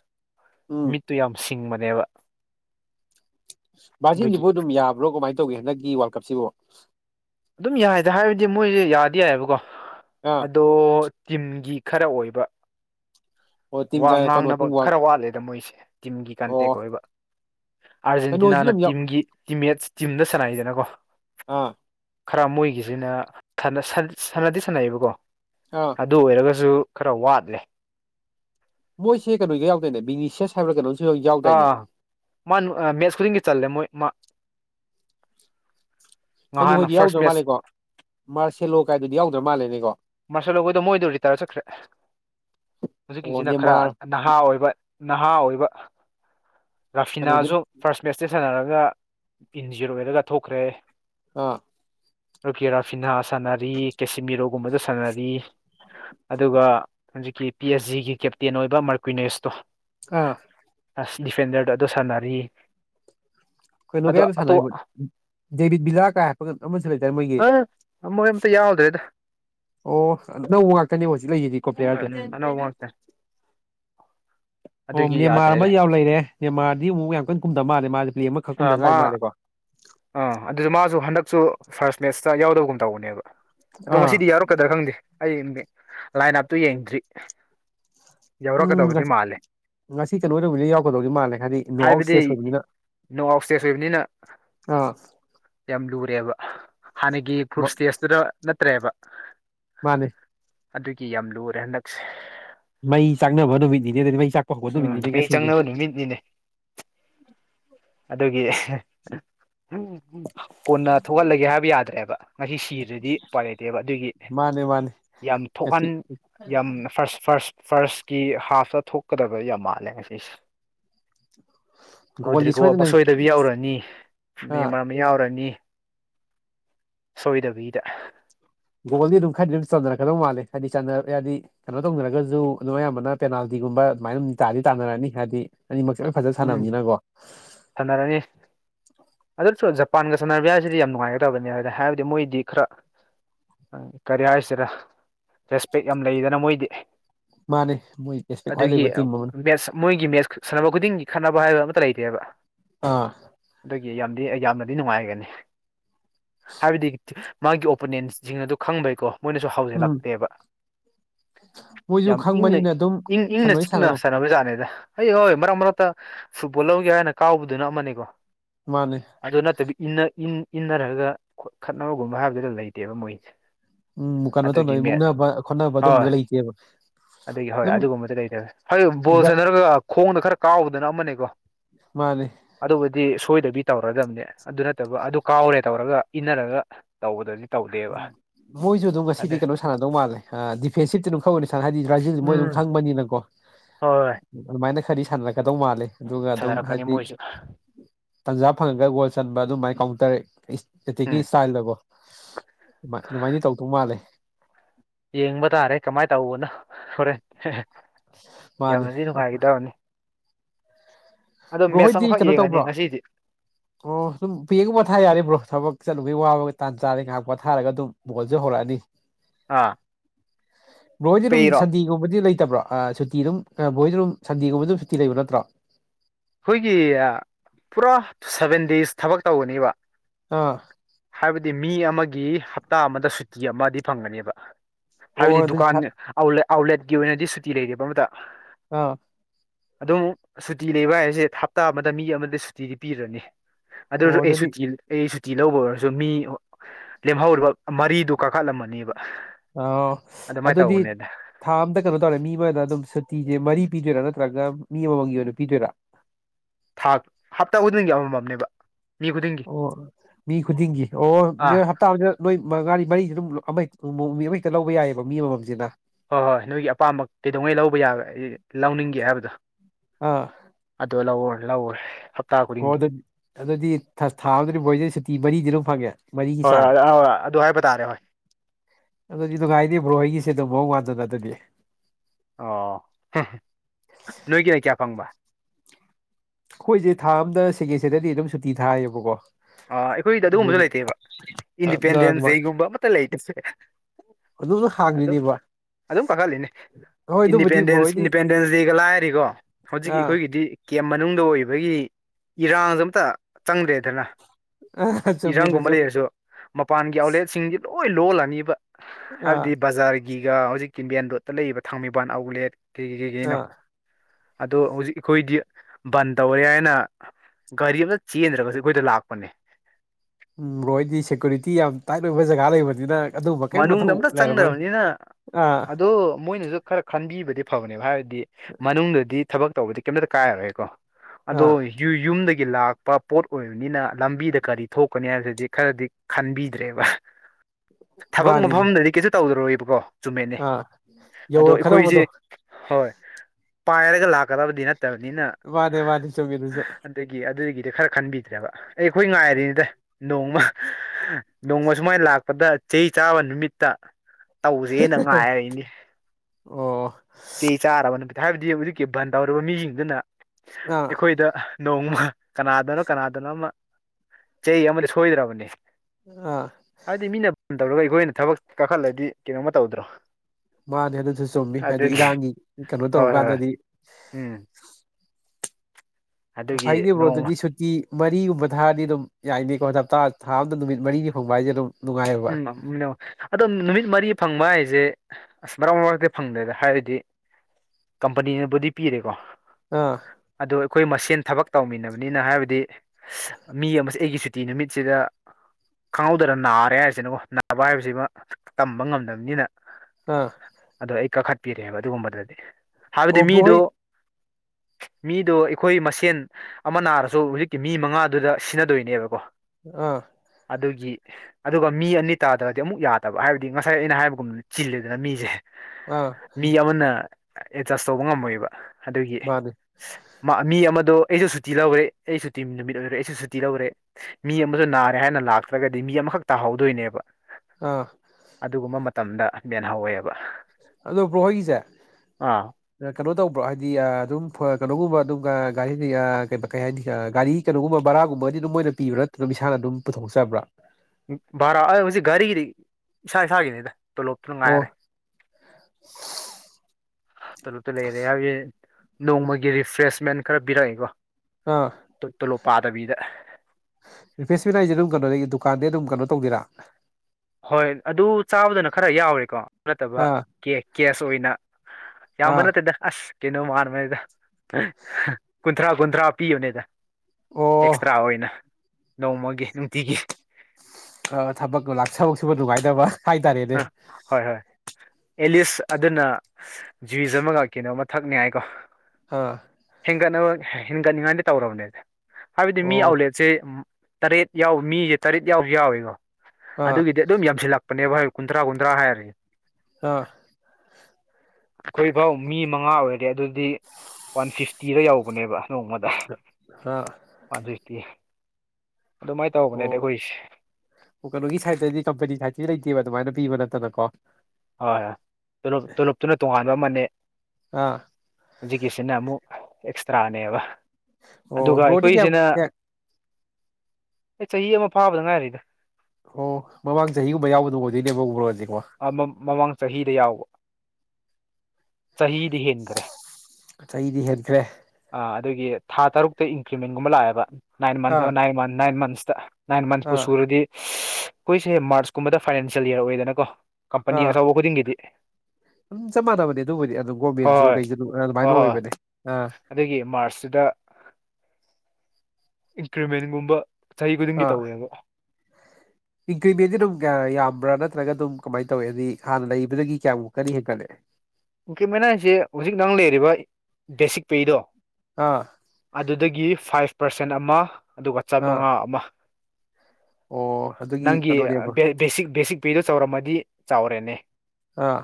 ꯎꯝ ꯃꯤꯠꯇꯨ ꯌꯥꯝ ꯁꯤꯡꯕꯅꯦꯕ ꯑꯗꯨꯒꯤ ꯚꯥꯔꯖꯤꯟꯁꯤꯕꯨ ꯑꯗꯨꯝ ꯌꯥꯕ꯭ꯔꯣ ꯀꯃꯥꯏꯅ ꯇꯧꯒꯦ ꯍꯟꯗꯛꯀꯤ ꯋꯥꯔꯜ ꯀꯞꯁꯤꯕꯨ ꯑꯗꯨꯝ ꯌꯥꯏꯗ ꯍꯥꯏꯕꯗꯤ ꯃꯣꯏꯁꯦ ꯌꯥꯗꯤ ꯌꯥꯏꯑꯕꯀꯣ ꯑꯥ ꯑꯗꯣ ꯇꯤꯝꯒꯤ ꯈꯔ ꯑꯣꯏꯕ ꯑꯣ ꯇꯤꯝ ꯋꯥ ꯀꯩꯅꯣ ꯉꯥꯡꯅꯕ ꯇꯤꯝꯋꯥꯛ ꯈꯔ ꯋꯥꯠꯂꯦꯗ ꯃꯣꯏꯁꯦ ꯇꯤꯝꯒꯤ ꯀꯟꯇꯦꯛ ꯑꯣ ꯑꯣꯏꯕ ꯀꯩꯅꯣꯁꯨ ꯑꯥꯔꯖꯦꯟꯇꯤꯅꯥꯅ ꯑꯗꯨꯝ ꯌꯥꯎ ꯇꯤꯝꯒꯤ ꯇꯤꯝꯃꯦꯠꯁ ꯇꯤꯝꯗ ꯁꯥꯟꯅꯗꯅꯀꯣ ꯑꯥ ꯈꯔ ꯃꯣꯏꯒꯤꯁꯤꯅ ꯁꯅꯗꯤ ꯁꯥꯟꯅꯩꯑꯕꯀꯣ ꯑꯥ ꯑꯗꯨ ꯑꯣꯏꯔꯒꯁꯨ ꯈꯔ ꯋꯥꯠꯂꯦ ꯃꯣꯏꯁꯦ ꯀꯩꯅꯣꯒꯤ ꯌꯥꯎꯗꯣꯏꯅꯦ ꯕꯤꯅꯤꯁꯤꯁ ꯍꯥꯏꯕ꯭ꯔ ꯀꯩꯅꯣ ꯑꯥ ꯃꯥ ꯃꯦꯠꯁ ꯈꯨꯗꯤꯡꯒꯤ ꯆꯜꯂꯦ ꯃꯣꯏ ꯃꯥ ꯉꯍꯥꯟꯅ ꯀꯩꯅꯣꯈꯣꯏꯗꯤ ꯐꯥꯔꯁ ꯌꯥꯎꯗ꯭ꯔ ꯃꯦꯠꯆ ꯃꯥꯜꯂꯦꯀꯣ ꯃꯥꯔꯁꯦꯂꯣ ꯀꯥꯏꯗꯗꯤ ꯌꯥꯎꯗ꯭ꯔ ꯃꯥꯜꯂꯦꯅꯦꯀꯣ ꯃꯥꯁꯜ ꯂꯧ ꯑꯩꯈꯣꯏꯗꯣ ꯃꯣꯏꯗꯧꯔꯤꯇꯥꯔ ꯆꯠꯈ꯭ꯔꯦ ꯑꯣ ꯍꯧꯖꯤꯛꯀꯤꯁꯤꯅ ꯈꯔ ꯅꯦꯃꯥꯔ ꯅꯍꯥ ꯑꯣꯏꯕ ꯅꯍꯥ ꯑꯣꯏꯕ ꯀꯩꯅꯣꯗꯤ ꯔꯥꯐꯤꯅꯥꯁꯨ ꯐꯥꯔꯁ ꯃꯦꯠꯁꯇ ꯁꯥꯟꯅꯔꯒ ꯏꯟ ꯖꯤꯔꯣ ꯑꯣꯏꯔꯒ ꯊꯣꯛꯈ꯭ꯔꯦ ꯑꯥ ꯔꯨꯀꯤꯔꯥꯐꯤꯍ ꯁꯥꯟꯅꯔꯤ ꯀꯦꯁꯤꯃꯤꯔꯣꯒꯨꯝꯕꯗ ꯁꯥꯟꯅꯔꯤ ꯑꯗꯨꯒ ꯍꯧꯖꯤꯛꯀꯤ ꯄꯤ ꯑꯦꯁ ꯖꯤꯒꯤ ꯀꯦꯞꯇꯦꯟ ꯑꯣꯏꯕ ꯃꯥꯔꯀ꯭ꯋꯏꯅꯁꯇꯣ ꯑꯥ ꯑ ꯗꯤꯐꯦꯟꯗꯔꯗ ꯑꯗ ꯁꯥꯟꯅꯔꯤ ꯀꯩꯅꯣꯒ ꯑꯗꯣ ꯌꯥꯝꯅ ꯑꯇꯣꯞ ꯁꯥꯟꯅꯔꯤꯕꯣ ꯗꯦꯕꯤꯠ ꯕꯤꯂꯥꯀ ꯍꯥꯏꯄ ꯑꯃꯁꯨ ꯂꯩꯇꯥꯔꯦ ꯃꯣꯏꯒꯤ ꯑꯃꯒꯝꯇ ꯌꯥꯎꯗ꯭ꯔꯣꯦꯗ ꯑꯣ ꯅꯪ ꯉꯥꯛꯇꯅꯦꯕ ꯍꯧꯖꯤꯛ ꯂꯩꯔꯤꯗꯤꯀꯣꯄ꯭ꯂꯦꯌꯥꯔꯁꯦ ꯑꯅꯧꯕ ꯉꯥꯛꯇ ꯑꯣꯝ ꯑꯗꯨꯒꯤ ꯅꯦꯃꯥꯥꯔ ꯑꯃ ꯌꯥꯗ꯭ꯔꯦꯗ ꯌꯥꯝ ꯂꯩꯔꯦ ꯃꯦꯟꯃꯥꯗꯤ ꯑꯃꯨꯛ ꯌꯥꯝ ꯀꯟ ꯀꯨꯝꯗ ꯃꯥꯜꯂꯦ ꯃꯥꯂ ꯄꯦ ꯑꯃꯈꯛ ꯑ ꯀꯨꯝꯗ ꯃꯥ ꯉꯥꯏꯔꯤ ꯃꯥꯜꯂꯀꯣ ꯑꯥ ꯑꯗꯨꯗ ꯃꯥꯁꯨ ꯍꯟꯗꯛꯁꯨ ꯐꯥꯔꯁ ꯃꯦꯠꯁꯇ ꯌꯥꯎꯗꯕꯒꯨꯝ ꯇꯧꯕꯅꯦꯕ ꯑꯗꯣ ꯑꯥ ꯉꯁꯤꯗꯤ ꯌꯥꯎꯔꯛꯀꯗ꯭ꯔꯥ ꯈꯪꯗꯦ ꯑꯩ ꯂꯥꯏꯟ ꯑꯞꯇꯨ ꯌꯦꯡꯗ꯭ꯔꯤ ꯎꯝ ꯌꯧꯔꯛꯀꯗꯧꯕꯗꯤ ꯃꯥꯜꯂꯦ ꯉꯁꯤ ꯀꯩꯅꯣ ꯑꯣꯏꯔꯕꯅꯤꯅ ꯌꯥꯎꯒꯗꯧꯔꯤ ꯃꯥꯜꯂꯦ ꯍꯥꯏꯗꯤ ꯅꯣ ꯑꯥꯎꯠ ꯍꯥꯏꯕꯗꯤ ꯏꯁꯇꯦꯖ ꯑꯣꯏꯕꯅꯤꯅ ꯅꯣꯛ ꯑꯥꯎꯠ ꯏꯁꯇꯦꯖ ꯑꯣꯏꯕꯅꯤꯅ ꯑꯥ ꯌꯥꯝ ꯂꯨꯔꯦꯕ ꯍꯥꯟꯅꯒꯤ ꯒ꯭ꯔꯨꯞ ꯏꯁꯇꯦꯖꯇꯨꯗ ꯅꯠꯇ꯭ꯔꯦꯕ ꯃꯥꯅꯦ ꯑꯗꯨꯒꯤ ꯌꯥꯝ ꯂꯨꯔꯦ ꯍꯟꯗꯛꯁꯦ ꯃꯩ ꯆꯪꯅꯕꯗꯤꯗꯤ ꯆꯥꯛꯄ ꯎꯝ ꯍꯧꯒꯗꯃꯤꯗꯨꯗꯤ ꯃꯩ ꯉꯁꯤꯁꯦ ꯆꯪꯅꯕ ꯅꯨꯃꯤꯠꯅꯤꯅꯦ ꯑꯗꯨꯒꯤ ꯎꯝ ꯀꯣꯟꯅ ꯊꯣꯛꯍꯠꯂꯒꯦ ꯍꯥꯏꯕ ꯌꯥꯗ꯭ꯔꯦꯕ ꯉꯁꯤ ꯁꯤꯔꯗꯤ ꯄꯥꯏ ꯂꯩꯇꯦꯕ ꯑꯗꯨꯒꯤ ꯃꯥꯅꯦ ꯃꯥꯅꯦ ꯌꯥꯝ ꯊꯣꯛꯍꯟ ꯉꯁꯤ ꯌꯥꯝ ꯐꯥꯔꯁ ꯐꯥꯔꯁ ꯐꯥꯔꯁꯀꯤ ꯍꯥꯐꯇ ꯊꯣꯛꯀꯗꯕ ꯌꯥꯝ ꯃꯥꯜꯂꯦ ꯉꯁꯤꯁꯦ ꯣꯒꯣꯜꯁꯤ ꯃꯁꯣꯏꯗꯕꯤ ꯌꯥꯎꯔꯅꯤ ꯑ ꯃꯔꯝ ꯑꯃ ꯌꯥꯎꯔꯅꯤ ꯁꯣꯏꯗꯕꯤꯗ ꯒꯣꯜꯒꯤ ꯑꯗꯨꯝ ꯈꯔꯗꯤ ꯑꯗꯨꯝ ꯆꯝꯅꯔꯛꯀꯗꯧ ꯃꯥꯜꯂꯦ ꯍꯥꯏꯗꯤꯗꯤ ꯀꯩꯅꯣ ꯇꯧꯅꯔꯒꯁꯨ ꯑꯗꯨꯝ ꯑꯌꯥꯝꯕꯅ ꯄꯦꯅꯥꯜꯇꯤꯒꯨꯝꯕ ꯑꯗꯨꯃꯥꯏꯅ ꯇꯥꯗꯤ ꯇꯥꯟꯅꯔꯛꯅꯤ ꯍꯥꯏꯕꯗꯤ ꯑꯅꯤꯃꯛꯁꯦ ꯂꯣꯏ ꯐꯖꯅ ꯎꯝ ꯁꯥꯟꯅꯕꯅꯤꯅꯀꯣ ꯁꯥꯟꯅꯔꯅꯤ ꯑꯗꯨꯁꯨ ꯖꯄꯥꯟꯒ ꯁꯥꯟꯅꯕꯤ ꯍꯥꯏꯁꯤꯗꯤ ꯌꯥꯝ ꯅꯨꯡꯉꯥꯏꯒꯗꯕꯅꯤ ꯍꯥꯏꯗꯤ ꯍꯥꯏꯔꯕꯗꯤ ꯃꯣꯏꯗꯤ ꯈꯔ ꯀꯔꯤ ꯍꯥꯏꯁꯤꯔ ꯔꯦꯁꯄꯦꯛ ꯌꯥꯝ ꯂꯩꯗꯅ ꯃꯣꯏꯗꯤ ꯃꯥꯅꯦ ꯃꯣꯏ ꯔꯦꯁꯄꯦꯛ ꯈ꯭ꯋꯥꯏ ꯑꯗꯨꯒꯤ ꯂꯩꯕ ꯇꯤꯝ ꯑꯃꯅꯤ ꯃꯦꯁ ꯃꯣꯏꯒꯤ ꯃꯦꯠꯁ ꯁꯥꯟꯅꯕ ꯈꯨꯗꯤꯡꯒꯤ ꯈꯠꯅꯕ ꯍꯥꯏꯕ ꯑꯃꯇ ꯂꯩꯇꯦꯕ ꯑꯥ ꯑꯦ ꯌꯥꯝꯗꯤ ꯌꯥꯝꯅꯗꯤ ꯅꯨꯡꯉꯥꯏꯒꯅꯤ ꯍꯥꯏꯕꯗꯤ ꯃꯥꯒꯤ ꯑꯣꯄꯣꯅꯦꯟꯁꯤꯡꯅ ꯑꯗꯨꯣ ꯈꯪꯕꯩꯀꯣ ꯃꯣꯏꯅꯁꯨ ꯎꯝ ꯍꯥꯎꯖꯤꯜꯂꯛꯇꯦꯕ ꯃꯣꯏꯁꯨ ꯌꯥꯝ ꯏꯪꯅ ꯈꯪꯕꯅꯤꯅ ꯑꯗꯨꯝ ꯏꯪ ꯏꯪꯅ ꯁꯥꯟꯅꯩ ꯆꯤꯛꯅ ꯁꯥꯟꯅꯅꯣ ꯁꯥꯟꯅꯕꯖꯥꯠꯅꯦꯗ ꯑꯩ ꯍꯣꯏ ꯃꯔꯛ ꯃꯔꯛꯇ ꯐꯨꯠꯕꯣꯜ ꯂꯧꯒꯦ ꯍꯥꯏꯅ ꯀꯥꯎꯕꯗꯨꯅ ꯑꯃꯅꯤꯅꯦꯀꯣ ꯃꯥꯅꯦ ꯑꯗꯨ ꯅꯠꯇꯕꯤ ꯏꯟꯅꯔꯒ ꯈꯠꯅꯕꯒꯨꯝꯕ ꯍꯥꯏꯕꯗꯨꯗ ꯂꯩꯇꯦꯕ ꯃꯣꯏꯁꯦ ꯎꯝ ꯀꯩꯅꯣ ꯑꯗꯨꯒꯤ ꯇꯧꯅꯕ ꯃꯦꯠ ꯃꯨꯛꯅꯕ ꯈꯣꯠꯅꯕ ꯍꯣꯏ ꯑꯗꯨꯝꯕꯗꯣ ꯂꯩꯇꯦꯕ ꯑꯗꯒꯤ ꯍꯣꯏ ꯑꯗꯨꯝ ꯑꯗꯨꯒꯨꯝꯕꯗꯤ ꯂꯩꯇꯋꯦ ꯍꯣꯏ ꯕꯣꯜ ꯖꯛ ꯁꯅꯔꯒ ꯈꯣꯡꯗ ꯈꯔ ꯀꯥꯎꯕꯗꯅ ꯀꯣ ꯃꯥꯅꯦ ꯑꯗꯨꯕꯨꯗꯤ ꯁꯣꯏꯗꯕꯤ ꯇꯧꯔꯗꯕꯅꯦ ꯑꯗꯨ ꯅꯠꯇꯕ ꯑꯗꯨ ꯀꯥꯎꯔꯦ ꯇꯧꯔꯒ ꯏꯟꯅꯔꯒ ꯇꯧꯕꯗꯖꯤꯛ ꯎꯝ ꯃꯣꯏꯁꯨ ꯑꯗꯨꯝ ꯉꯁꯤꯗꯤ ꯀꯩꯅꯣ ꯁꯥꯟꯅꯗꯧ ꯃꯥꯜꯂꯦ ꯗꯤꯐꯦꯟꯁꯤꯞꯇꯤ ꯑꯗꯨꯝ ꯈꯪꯅꯤ ꯁꯥꯟ ꯍꯥꯏꯗꯤ ꯔꯥꯤꯡ ꯃꯣꯏ ꯑꯗꯨꯝ ꯈꯦ ꯎꯝ ꯈꯪꯕꯅꯤꯅꯀꯣ ꯍꯣꯏ ꯍꯣꯏ ꯑꯗꯨꯃꯥꯏꯅ ꯈꯗꯤ ꯁꯥꯟꯅꯔꯛꯀꯗꯧ ꯃꯥꯜꯂꯦ ꯑꯗꯨꯒ ꯑꯗꯨꯝ ꯁꯥꯟꯅꯔꯛꯀꯅꯤ ꯍꯥꯏꯗꯤ ꯃꯣꯏꯁꯨ ꯇꯟꯖꯥ ꯐꯪꯉꯒ ꯒꯣꯜ ꯆꯟꯕ ꯑꯗꯨꯃꯥꯏꯅ ꯀꯥꯎꯟꯇꯔ ꯑꯦꯇꯤꯀꯤ ꯎꯝ ꯏꯁꯇꯥꯏꯜꯗꯀꯣ ꯑꯗꯨꯃꯥꯏꯅ ꯇꯧꯗꯧ ꯃꯥꯜꯂꯦ ꯌꯦꯡꯕ ꯇꯥꯔꯦ ꯀꯃꯥꯏꯅ ꯇꯧꯕꯅꯣ ꯍꯣꯔꯦꯟ ꯃꯥꯅꯦ ꯌꯥꯝꯅꯗꯤ ꯅꯨꯡꯉꯥꯏꯒꯗꯕꯅꯤ ꯑꯗꯣ ꯃꯦꯠꯆ ꯕ꯭ꯔꯣꯍꯣꯏꯗꯤ ꯑꯃꯈꯛ ꯀꯩꯅꯣ ꯌꯦꯡꯉꯅꯤ ꯇꯧꯕ꯭ꯔꯣ ꯉꯁꯤꯗꯤ ꯑꯣ ꯁꯨꯝ ꯄꯤꯒꯨꯝ ꯃꯊꯥ ꯌꯥꯔꯤꯕ꯭ꯔꯣ ꯊꯕꯛ ꯆꯠꯂꯨꯕꯒꯤ ꯋꯥꯕ ꯇꯥꯟ ꯆꯥꯔꯩ ꯉ ꯄ ꯊꯥꯔꯒ ꯑꯗꯨꯝ ꯃꯒꯣꯟꯁꯨ ꯍꯧꯔꯛꯑꯅꯤ ꯑꯥ ꯂꯣꯏꯗꯤ ꯑꯗꯨꯝ ꯄꯩꯔꯣ ꯁꯟꯗꯤꯤꯒꯨꯝꯕꯗꯤ ꯂꯩꯇ ꯅꯠꯇꯕ꯭ꯔꯣ ꯁꯨꯇꯤ ꯑꯗꯨꯝ ꯕꯣꯏꯁꯨ ꯑꯗꯨꯝ ꯁꯟꯗꯦꯒꯨꯝꯕ ꯑꯗꯨꯝ ꯁꯨꯇꯤ ꯂꯩꯕ ꯅꯠꯇ꯭ꯔꯣ ꯑꯩꯈꯣꯏꯒꯤ ꯄꯨꯔꯥ ꯁꯚꯦꯟ ꯗꯦꯖ ꯊꯕꯛ ꯇꯧꯒꯅꯦꯕ ꯑꯥ ꯗꯤ ꯃꯤ ꯑꯃꯒꯤ ꯍꯞꯇꯥ ꯑꯃꯗ ꯁꯨꯇꯤ ꯑꯃꯗꯤ ꯐꯪꯒꯅꯦꯕ ꯑꯣ ꯍꯥꯏꯕꯗꯤ ꯑꯗꯨꯗꯤ ꯗꯨꯀꯥꯟ ꯊꯥ ꯑ ꯑꯥꯎꯠꯂꯦꯠꯀꯤ ꯑꯣꯏꯅꯗꯤ ꯁꯨꯇꯤ ꯂꯩꯔꯤꯕ ꯑꯃꯝꯇ ꯑꯥ ꯑꯗꯨꯝ ꯁꯨꯇꯤ ꯂꯩꯕ ꯍꯥꯏꯁꯦ ꯍꯞꯇꯥ ꯑꯃꯗ ꯃꯤ ꯑꯃꯗ ꯁꯨꯇꯤꯗꯤ ꯄꯤꯔꯅꯤ ꯑꯣ ꯑꯗꯨꯗꯤ ꯑꯗꯨꯗꯁꯤꯁ ꯇꯤ ꯂꯧꯕ ꯑꯣꯏꯔꯁꯨ ꯃꯤ ꯂꯦꯝꯍꯧꯔꯤꯕ ꯃꯔꯤꯗꯨ ꯀꯥꯈꯠꯂꯝꯃꯅꯦꯕ ꯑ ꯑꯗꯨꯃꯥꯏꯅ ꯑꯗꯨꯗꯤ ꯇꯧꯕꯅꯦꯗ ꯊꯥ ꯑꯝꯇ ꯀꯩꯅꯣ ꯇꯧꯔꯦ ꯃꯤ ꯃꯣꯏꯗ ꯑꯗꯨꯝ ꯇꯤꯁꯦ ꯃꯔꯤ ꯄꯤꯗꯣꯏꯔꯥ ꯅꯠꯇ꯭ꯔꯒ ꯃꯤ ꯑꯃꯃꯝꯒꯤ ꯑꯣꯏꯅ ꯄꯤꯗꯣꯏꯔꯥ ꯊꯥꯛ ꯍꯞꯇꯥ ꯈꯨꯗꯤꯡꯒꯤ ꯑꯃꯃꯝꯅꯦꯕ ꯃꯤ ꯈꯨꯗꯤꯡꯒꯤ ꯑꯣ ꯃꯤ ꯈꯨꯗꯤꯡꯒꯤ ꯑꯣ ꯑꯥ ꯍꯞꯇꯥꯗ ꯅꯣꯏ ꯉꯥꯔꯤ ꯃꯔꯤꯁꯤ ꯑꯗꯨꯝ ꯑꯃ ꯍꯛꯇ ꯂꯧꯕ ꯌꯥꯏꯑꯕ ꯃꯤ ꯑꯃꯃꯝꯁꯤꯅ ꯍꯣꯏ ꯍꯣꯏ ꯅꯣꯏꯒꯤ ꯑꯄꯥꯝꯕ ꯀꯩꯗꯧꯉꯩ ꯂꯧꯕ ꯌꯥꯕ ꯂꯧꯅꯤꯡꯒꯦ ꯍꯥꯏꯕꯗꯣ ꯑꯥ ꯑꯗ ꯂꯋ ꯂꯋ ꯑꯣ ꯑꯗꯨꯗꯤ ꯑꯗꯨꯗꯤ ꯊꯥꯗꯗꯤ ꯕꯣꯏꯁ ꯁꯨꯇꯤ ꯃꯔꯤꯗꯤ ꯑꯗꯨꯝ ꯐꯪꯉꯦ ꯃꯔꯤꯒꯤ ꯍꯣꯏ ꯆꯥꯡ ꯍꯣꯏ ꯑꯗꯨ ꯍꯥꯏꯏꯕꯇꯥꯔꯦꯣꯣꯏ ꯑꯗꯨꯗꯤꯗ ꯀꯥꯏꯗꯦꯕ꯭ꯔꯣ ꯑꯩꯒꯤꯁꯦ ꯑꯗꯨꯝ ꯐꯥꯎ ꯃꯥꯟꯗꯗ ꯑꯗꯨꯗꯤ ꯑꯣ ꯅꯣꯏꯒꯤꯅ ꯀꯌꯥ ꯐꯪꯕ ꯑꯩꯈꯣꯏꯁꯦ ꯊꯥ ꯑ ꯑꯃꯝꯗ ꯁꯦꯒꯦꯠꯁꯤꯗꯗꯤ ꯑꯗꯨꯝ ꯁꯨꯇꯤ ꯊꯥꯏꯌꯦꯕꯀꯣ ꯑꯥ ꯑꯩꯈꯣꯏꯒꯤꯗꯤ ꯑꯗꯨꯝ ꯑꯗꯨꯒꯨꯝꯕꯁꯨ ꯂꯩꯇꯦꯕ ꯏꯟꯗꯤꯄꯦꯟꯗꯦꯟꯁ ꯗꯦꯒꯨꯝꯕ ꯑꯃꯠꯇ ꯂꯩꯇꯁꯦ ꯑꯗꯨꯁꯨ ꯍꯥꯡꯅꯤꯅꯦꯕ ꯑꯗꯨꯝ ꯄꯀꯥꯂꯅꯦ ꯕ꯭ꯔꯣ ꯏꯟꯗꯤꯄꯦꯟꯗꯦꯟꯁ ꯍꯣꯏꯗꯤ ꯏꯟꯗꯤꯄꯦꯟꯗꯦꯟꯁ ꯗꯦꯒ ꯂꯥꯏꯔꯤꯀꯣ ꯍꯧꯖꯤꯛ ꯑꯥ ꯑꯩꯈꯣꯏꯒꯤꯗꯤ ꯀꯦꯝ ꯃꯅꯨꯡꯗ ꯑꯣꯏꯕꯒꯤ ꯏꯔꯥꯡꯁ ꯑꯝꯇ ꯆꯪꯗ꯭ꯔꯦꯗꯅ ꯑꯥ ꯆꯨꯝꯃꯤ ꯏꯔꯪꯒꯨꯝꯕ ꯑꯗꯨꯁꯨ ꯂꯩꯔꯁꯨ ꯃꯄꯥꯟꯒꯤ ꯑꯥꯎꯠꯂꯦꯠꯁꯤꯡꯗꯤ ꯂꯣꯏ ꯂꯣꯏ ꯂꯣꯜꯂꯅꯤꯕ ꯑꯥ ꯍꯥꯏꯕꯗꯤ ꯕꯖꯥꯔꯒꯤꯒ ꯍꯧꯖꯤꯛꯀꯤ ꯃꯦꯟ ꯔꯣꯠꯇ ꯂꯩꯔꯤꯕ ꯊꯥꯡꯃꯩꯕꯥꯟ ꯑꯥꯎꯠꯂꯦꯠ ꯀꯩꯒꯤ ꯀꯦꯒꯤꯅꯣ ꯑꯥ ꯑꯗꯣ ꯍꯧꯖꯤꯛ ꯑꯩꯈꯣꯏꯗꯤ ꯕꯟ ꯇꯧꯔꯦ ꯍꯥꯏꯅ ꯒꯥꯔꯤ ꯑꯃꯝꯇ ꯆꯦꯟꯗ꯭ꯔꯒꯁꯨ ꯑꯩꯈꯣꯏꯗ ꯂꯥꯛꯄ ꯄꯅꯤ ꯎꯝ ꯔꯣꯏ ꯑꯩꯗꯤ ꯁꯦꯀ꯭ꯌꯨꯔꯤꯇꯤ ꯌꯥꯝ ꯇꯥꯏꯠ ꯑꯣꯏꯕ ꯖꯒꯥ ꯂꯩꯕꯅꯤꯅ ꯑꯗꯨꯝꯕ ꯀꯔꯤꯝ ꯃꯅꯨꯡꯗ ꯃꯊꯧ ꯑꯃꯝꯇ ꯂꯩꯔꯝꯃꯔꯣꯏ ꯆꯪꯗ꯭ꯔꯕꯅꯤꯅ ꯑꯥ ꯑꯗꯨꯗ ꯃꯣꯏꯅꯁꯨ ꯈꯔ ꯈꯟꯕꯤꯕꯗꯤ ꯐꯕꯅꯦꯕ ꯍꯥꯏꯔꯗꯤ ꯃꯅꯨꯡꯗꯗꯤ ꯊꯕꯛ ꯇꯧꯕꯗꯤ ꯀ ꯀꯥꯏꯔꯦꯀꯣ ꯑꯣ ꯑꯥ ꯌ ꯒꯤ ꯂꯥꯛꯄ ꯄꯣꯠ ꯑꯣꯏꯕꯅꯤꯅ ꯂꯝꯕꯤꯗ ꯀꯔꯤ ꯊꯣꯛꯀꯅꯤ ꯍꯥꯏꯕꯁꯤꯗꯤ ꯈꯔꯗꯤ ꯈꯟꯕꯤꯗ꯭ꯔꯦꯕ [inaudible] ꯊꯕꯛ ꯃꯥꯅꯤꯅꯦ ꯃꯐꯝꯗꯗꯤ ꯀꯩꯁꯨ ꯇꯧꯗꯔꯣꯏꯕꯀꯣ ꯆꯨꯝꯃꯦꯅꯤ ꯑꯥ ꯑꯗꯣ ꯑꯩꯈꯣꯏꯁꯦ ꯌꯧꯔꯛꯀꯗꯧꯕꯗꯣ ꯍꯣꯏ ꯄꯥꯏꯔꯒ ꯂꯥꯛꯀꯗꯕꯗꯤ ꯅꯠꯇꯦ ꯐꯠꯇꯕꯅꯤꯅ ꯃꯥꯅꯦ ꯃꯥꯅꯦ ꯆꯨꯝꯃꯤ ꯑꯗꯨꯁꯨ ꯑꯗꯒꯤ ꯑꯗꯨꯒꯤ ꯈꯔ ꯈꯟꯕꯤꯗ꯭ꯔꯦꯕ ꯑꯦ ꯑꯩꯈꯣꯏ ꯉꯥꯏꯔꯤꯅꯤꯗ ꯅꯣꯡꯃ ꯅꯣꯡꯃ ꯁꯨꯃꯥꯏꯅ ꯂꯥꯛꯄꯗ ꯆꯍꯤ ꯆꯥꯕ ꯅꯨꯃꯤꯠꯇ ꯇꯧꯁꯦꯅ ꯉꯥꯏꯔꯤꯅꯦ ꯑꯣ ꯆꯦ ꯆꯥꯔꯕ ꯅꯨꯃꯤꯠꯇ ꯍꯥꯏꯕꯗꯤ ꯍꯧꯖꯤꯛꯀꯤ ꯕꯟ ꯇꯧꯔꯤꯕ ꯃꯤꯁꯤꯡꯗꯨꯅ ꯑꯥ ꯑꯩꯈꯣꯏꯗ ꯅꯣꯡꯃ ꯀꯅꯥꯗꯅꯣ ꯀꯅꯥꯗꯅꯣ ꯑꯃ ꯆꯩ ꯑꯃ ꯁꯣꯏꯗ꯭ꯔꯕꯅꯤ ꯑꯥ ꯍꯥꯏꯕꯗꯤ ꯃꯤꯅ ꯐꯣꯟ ꯇꯧꯔꯒ ꯑꯩꯈꯣꯏꯅ ꯊꯕꯛ ꯀꯥꯈꯠꯂꯗꯤ ꯀꯩꯅꯣꯝꯃ ꯇꯧꯗ꯭ꯔꯣ ꯃꯥꯅꯦ ꯑꯗꯨꯁꯨ ꯆꯨꯝꯃꯤ ꯍꯥꯏꯗꯤ ꯑꯗꯨꯒꯤ ꯏꯔꯥꯡꯒꯤ ꯀꯩꯅꯣ ꯇꯧꯔꯨ ꯍꯣꯏ ꯍꯣꯏ ꯀꯥꯟꯗꯗꯤ ꯎꯝ ꯑꯗꯨꯒꯤ ꯍꯥꯏꯌꯦꯡꯗꯤ ꯕ꯭ꯔꯣ ꯅꯣꯡꯃ ꯑꯗꯨꯗꯤ ꯁꯨꯇꯤ ꯃꯔꯤꯒꯨꯝꯕ ꯊꯥꯔꯗꯤ ꯑꯗꯨꯝ ꯌꯥꯏꯅꯤꯀꯣ ꯍꯞꯇꯥ ꯊꯥ ꯑꯝꯗ ꯅꯨꯃꯤꯠ ꯃꯔꯤꯅꯤ ꯐꯪꯕ ꯍꯥꯏꯁꯦ ꯑꯗꯨꯝ ꯅꯨꯡꯉꯥꯏꯑꯕ ꯎꯝ ꯑꯗꯣ ꯅꯨꯃꯤꯠ ꯃꯔꯤ ꯐꯪꯕ ꯍꯥꯏꯁꯦ ꯑꯁ ꯃꯔꯛ ꯃꯔꯛꯇ ꯐꯪꯗꯦꯗ ꯍꯥꯏꯔꯗꯤ ꯀꯝꯄꯅꯤꯅꯕꯨꯗꯤ ꯄꯤꯔꯦꯀꯣ ꯑꯥ ꯑꯗꯣ ꯑꯩꯈꯣꯏ ꯃꯁꯦꯟ ꯊꯕꯛ ꯇꯧꯃꯤꯟꯅꯕꯅꯤꯅ ꯍꯥꯏꯕꯗꯤ ꯃꯤ ꯑꯃꯁꯦ ꯑꯩꯒꯤ ꯁꯨꯇꯤ ꯅꯨꯃꯤꯠꯁꯤꯗ ꯈꯪꯍꯧꯗꯅ ꯅꯔꯦ ꯁꯤꯅꯣ ꯅꯥꯕ ꯍꯥꯏꯕꯁꯤꯃ ꯇꯝꯕ ꯉꯝꯗꯕꯅꯤꯅ ꯑꯥ ꯑꯗꯣ ꯑꯩ ꯀꯥꯈꯠ ꯄꯤꯔꯛꯑꯦꯕ ꯑꯗꯨꯒꯨꯝꯕꯗꯗꯤ ꯍꯥꯏꯕꯗꯤ ꯑꯣ ꯕ꯭ꯔꯣ ꯍꯣꯏ ꯃꯤꯗꯨ ꯃꯤꯗꯣ ꯑꯩꯈꯣꯏ ꯃꯁꯦꯟ ꯑꯃ ꯅꯥꯔꯁꯨ ꯍꯧꯖꯤꯛꯀꯤ ꯃꯤ ꯃꯉꯥꯗꯨꯗ ꯁꯤꯟꯅꯗꯣꯏꯅꯦꯕꯀꯣ ꯑꯥ ꯑꯗꯨꯒꯤ ꯑꯗꯨꯒ ꯃꯤ ꯑꯅꯤ ꯇꯥꯗ꯭ꯔꯗꯤ ꯑꯃꯨꯛ ꯌꯥꯗꯕ ꯍꯥꯏꯕꯗꯤ ꯉꯁꯥꯏ ꯑꯩꯅ ꯍꯥꯏꯕꯒꯨꯝꯕꯅ ꯆꯤꯜꯂꯤꯗꯅ ꯃꯤꯁꯦ ꯑꯥ ꯃꯤ ꯑꯃꯅ ꯑꯦꯠꯖꯁ ꯇꯧꯕ ꯉꯝꯃꯣꯏꯕ ꯑꯗꯨꯒꯤ ꯃꯥꯅꯦ ꯃꯤ ꯑꯃꯗꯣ ꯑꯩꯁꯨ ꯁꯨꯇꯤ ꯂꯧꯔꯦ ꯑꯩ ꯁꯨꯇꯤ ꯅꯨꯃꯤꯠ ꯑꯣꯏꯔꯦ ꯑꯩꯁꯨ ꯁꯨꯇꯤ ꯂꯧꯔꯦ ꯃꯤ ꯑꯃꯁꯨ ꯅꯥꯔꯦ ꯍꯥꯏꯅ ꯂꯥꯛꯇ꯭ꯔꯒꯗꯤ ꯃꯤ ꯑꯃꯈꯛ ꯇꯥꯍꯧꯗꯣꯏꯅꯦꯕ ꯑꯥ ꯑꯗꯨꯒꯨꯝꯕ ꯃꯇꯝꯗ ꯃꯦꯜꯍꯧꯋꯦꯕ ꯑꯗꯣ ꯕ꯭ꯔꯣꯍꯣꯏꯒꯤꯁꯦ ꯀꯩꯅꯣ ꯇꯧꯕ ꯍꯥꯏꯗꯤ ꯑꯗꯨꯝ ꯀꯩꯅꯣꯒꯨꯝꯝꯒꯥꯔꯤ ꯀ ꯍꯥꯏꯅꯤ ꯒꯥꯔꯤ ꯀꯩꯅꯣꯒꯨꯝꯕ ꯕꯔꯥꯒꯨꯝꯕ ꯁꯤ ꯑꯗꯨꯝ ꯃꯣꯏꯅ ꯄꯤꯕ ꯅꯠꯇꯅ ꯏꯁꯥꯅ ꯑꯗꯨꯝ ꯄꯨꯊꯣꯛꯆꯕ꯭ꯔꯥ ꯚꯔꯥ ꯍꯧꯖꯤꯛ ꯘꯔꯤꯒꯤꯗꯤ ꯏꯁꯥ ꯏꯁꯥꯒꯤꯅꯤꯗ ꯇꯣꯂꯣꯞꯇꯣ ꯑꯣ ꯉꯥꯏꯔꯦ ꯇꯣꯂꯣꯞꯇ ꯂꯩꯔꯦ ꯍꯥꯏꯕꯗꯤ ꯅꯣꯡꯃꯒꯤ ꯔꯤꯐ꯭ꯔꯦꯁꯃꯦꯟ ꯈꯔ ꯄꯤꯔꯛꯑꯦꯀꯣ ꯇꯣꯂꯣꯞ ꯄꯥꯗꯕꯤꯗ ꯔꯤꯐ꯭ꯔꯦꯁꯃꯤꯦꯟ ꯍꯥꯏꯁꯦ ꯑꯗꯨꯝ ꯀꯩꯅꯣꯗꯒꯤ ꯗꯨꯀꯥꯟꯗꯤ ꯑꯗꯨꯝ ꯀꯩꯅꯣ ꯇꯧꯗꯦꯔꯥ ꯍꯣꯏ ꯑꯗꯨ ꯆꯥꯕꯗꯅ ꯈꯔ ꯌꯥꯎꯔꯦꯀꯣ ꯅꯠꯇꯕ ꯑꯥ ꯀꯦ ꯀꯦꯁ ꯑꯣꯏꯅ ꯌꯥꯝꯕ ꯑꯥ ꯅꯠꯇꯦꯗ ꯑꯁ ꯀꯩꯅꯣ ꯃꯥꯥꯟꯕꯄꯅꯢꯅꯦꯗ ꯀꯨꯟꯊ꯭ꯔꯥ ꯀꯨꯟꯊ꯭ꯔꯥ ꯄꯤꯕꯅꯦꯗ ꯑꯣ ꯑꯦꯛꯁꯇ꯭ꯔꯥ ꯑꯣꯏꯅ ꯅꯣꯡꯃꯒꯤ ꯅꯨꯡꯇꯤꯒꯤ ꯑ ꯊꯕꯛꯇꯣ ꯂꯥꯛ ꯁꯕ ꯁꯨꯕ ꯅꯨꯡꯉꯥꯏꯇꯕ ꯍꯥꯏꯇꯥꯔꯦꯅꯦ ꯑꯦꯂꯤꯁ ꯑꯗꯨꯅ ꯖꯨꯋꯁ ꯑꯃꯒ ꯀꯩꯅꯣ ꯑꯃ ꯊꯛꯅꯤ ꯍꯥꯏꯀꯣ ꯑꯥ ꯍꯦꯟꯒꯠꯅꯕ ꯍꯦꯟꯒꯠꯅꯤꯡꯉꯥꯏꯗꯤ ꯇꯧꯔꯕꯅꯦ ꯍꯥꯏꯕꯗꯤ ꯃꯤ ꯑꯣ ꯑꯥꯎꯠꯂꯦꯠꯁꯦ ꯇꯔꯦꯠ ꯌꯥꯎ ꯃꯤꯁꯦ ꯇꯔꯦꯠ ꯌꯥꯎꯁꯨ ꯌꯥꯎꯋꯏꯀꯣ ꯑꯥ ꯑꯗꯨꯒꯤꯗꯤ ꯑꯗꯨꯝ ꯌꯝꯁꯤꯜꯂꯛꯄꯅꯦꯕ ꯀꯨꯟꯇ꯭ꯔꯥ ꯀꯨꯟꯇ꯭ꯔꯥ ꯍꯥꯏꯔꯦ ꯑꯥ ꯑꯩꯈꯣꯏ ꯐꯥꯎ ꯃꯤ ꯃꯉꯥ ꯑꯣꯏꯔꯦ ꯑꯗꯨꯗꯤ ꯋꯥꯟ ꯐꯤꯐꯇꯤꯗ ꯌꯧꯕꯅꯦꯕ ꯅꯣꯡꯃꯗ ꯑꯥ ꯑꯗꯨꯏꯗꯤ ꯑꯣ ꯑꯣ ꯀꯩꯅꯣꯒꯤ ꯁꯥꯏꯠꯇꯗꯤ ꯀꯝꯄꯥꯅꯤ ꯁꯥꯏꯠꯇꯗꯤ ꯂꯩꯇꯦꯕ ꯑꯗꯨꯃꯥꯏꯅ ꯄꯤꯕ ꯅꯠꯇꯅꯀꯣ ꯍꯣꯏ ꯍꯣꯏꯣ ꯇꯣꯂꯣꯞꯇꯨꯅ ꯇꯣꯉꯥꯟꯕ ꯑꯃꯅꯦ ꯑꯥ ꯍꯧꯖꯤꯛꯀꯤꯁꯤꯅ ꯑꯃꯨꯛ ꯑꯦꯛꯁꯇ꯭ꯔꯥꯅꯦꯕ ꯑꯣ ꯑꯗꯨꯒ ꯕ꯭ꯔꯣꯗꯤ ꯀꯌꯥꯝ ꯑꯩꯈꯣꯏꯁꯤꯅ ꯀꯌꯥ ꯑꯩ ꯆꯍꯤ ꯑꯃ ꯐꯥꯕꯗ ꯉꯥꯏꯔꯤꯗ ꯑꯣ ꯃꯃꯥꯡ ꯆꯍꯤꯒꯨꯝꯕ ꯌꯥꯎꯕꯗꯣ ꯑꯣꯏꯗꯣꯏꯅꯦꯕꯕ꯭ꯔꯣꯖꯤꯛ ꯃꯃꯥꯡ ꯆꯍꯤꯗ ꯌꯥꯎꯕ ꯆꯍꯤꯗꯤ ꯍꯦꯟꯈꯔꯦ ꯆꯍꯤꯗꯤ ꯍꯦꯟꯈ꯭ꯔꯦ ꯑꯥ ꯑꯗꯨꯒꯤ ꯊꯥ ꯇꯔꯨꯛꯇ ꯏꯟꯀ꯭ꯔꯤꯃꯦꯟꯒꯨꯝꯕ ꯂꯥꯛꯑꯦꯕ ꯅꯥꯏꯟ ꯃꯟꯁ ꯑꯥ ꯅꯥꯏꯟ ꯃꯟ ꯅꯥꯏꯟ ꯃꯟꯁꯇ ꯅꯥꯏꯟ ꯃꯟꯁꯄꯨ ꯑꯥ ꯁꯨꯔꯗꯤ ꯑꯩꯈꯣꯏꯁꯦ ꯃꯥꯔꯆꯀꯨꯝꯕꯗ ꯐꯥꯏꯅꯥꯟꯁꯤꯌꯦꯜ ꯏꯔ ꯑꯣꯏꯌꯦꯗꯅꯀꯣ ꯀꯝꯄꯅꯤ ꯑꯆꯧꯕ ꯈꯨꯗꯤꯡꯒꯤꯗꯤ ꯆꯃꯥ ꯇꯕ ꯑꯗꯨꯕꯨꯗꯤ ꯑꯗꯨꯝ ꯍꯣꯏ ꯒꯣꯔꯃꯦꯟꯁꯨ ꯍꯣꯏ ꯀꯩꯁꯨ ꯑꯗꯨꯃꯥꯏꯅ ꯍꯣꯏ ꯍꯣꯏ ꯑꯣꯏꯕꯅꯦ ꯑ ꯑꯗꯨꯒꯤ ꯃꯥꯔꯁꯇꯨꯗ ꯏꯟꯀ꯭ꯔꯤꯃꯦꯟꯒꯨꯝꯕ ꯆꯍꯤ ꯈꯨꯗꯤꯡꯒꯤ ꯑꯥ ꯇꯧꯋꯦꯕ ꯏꯟꯀ꯭ꯔꯤꯃꯦꯟꯗꯤ ꯑꯗꯨꯝ ꯀꯌꯥ ꯌꯥꯝꯕ꯭ꯔꯥ ꯅꯠꯇ꯭ꯔꯒ ꯑꯗꯨꯝ ꯀꯃꯥꯏꯅ ꯇꯧꯋ ꯍꯥꯏꯗꯤ ꯍꯥꯟꯅ ꯂꯩꯕꯗꯒꯤ ꯀꯌꯥꯃꯨꯛꯀꯅꯤ ꯍꯦꯟꯒꯠꯂꯛꯑꯦ ꯑꯣꯀꯦ ꯃꯅꯥꯏꯁꯦ ꯍꯧꯖꯤꯛ ꯅꯪ ꯂꯩꯔꯤꯕ ꯕꯦꯁꯤꯛ ꯄꯦꯗꯣ ꯑꯥ ꯑꯗꯨꯗꯒꯤ ꯐꯥꯏꯚ ꯄꯥꯔꯁꯦꯟ ꯑꯃ ꯑꯗꯨꯒ ꯑꯥ ꯆꯥꯃꯉꯥ ꯑꯃ ꯑꯣ ꯑꯗꯨꯒꯤ ꯅꯪꯒꯤ ꯀꯩꯅꯣꯅꯦꯕ ꯕꯦꯁꯤꯛ ꯄꯦꯗꯣ ꯆꯥꯎꯔꯝꯃꯗꯤ ꯆꯥꯎꯔꯦꯅꯦ ꯑꯥ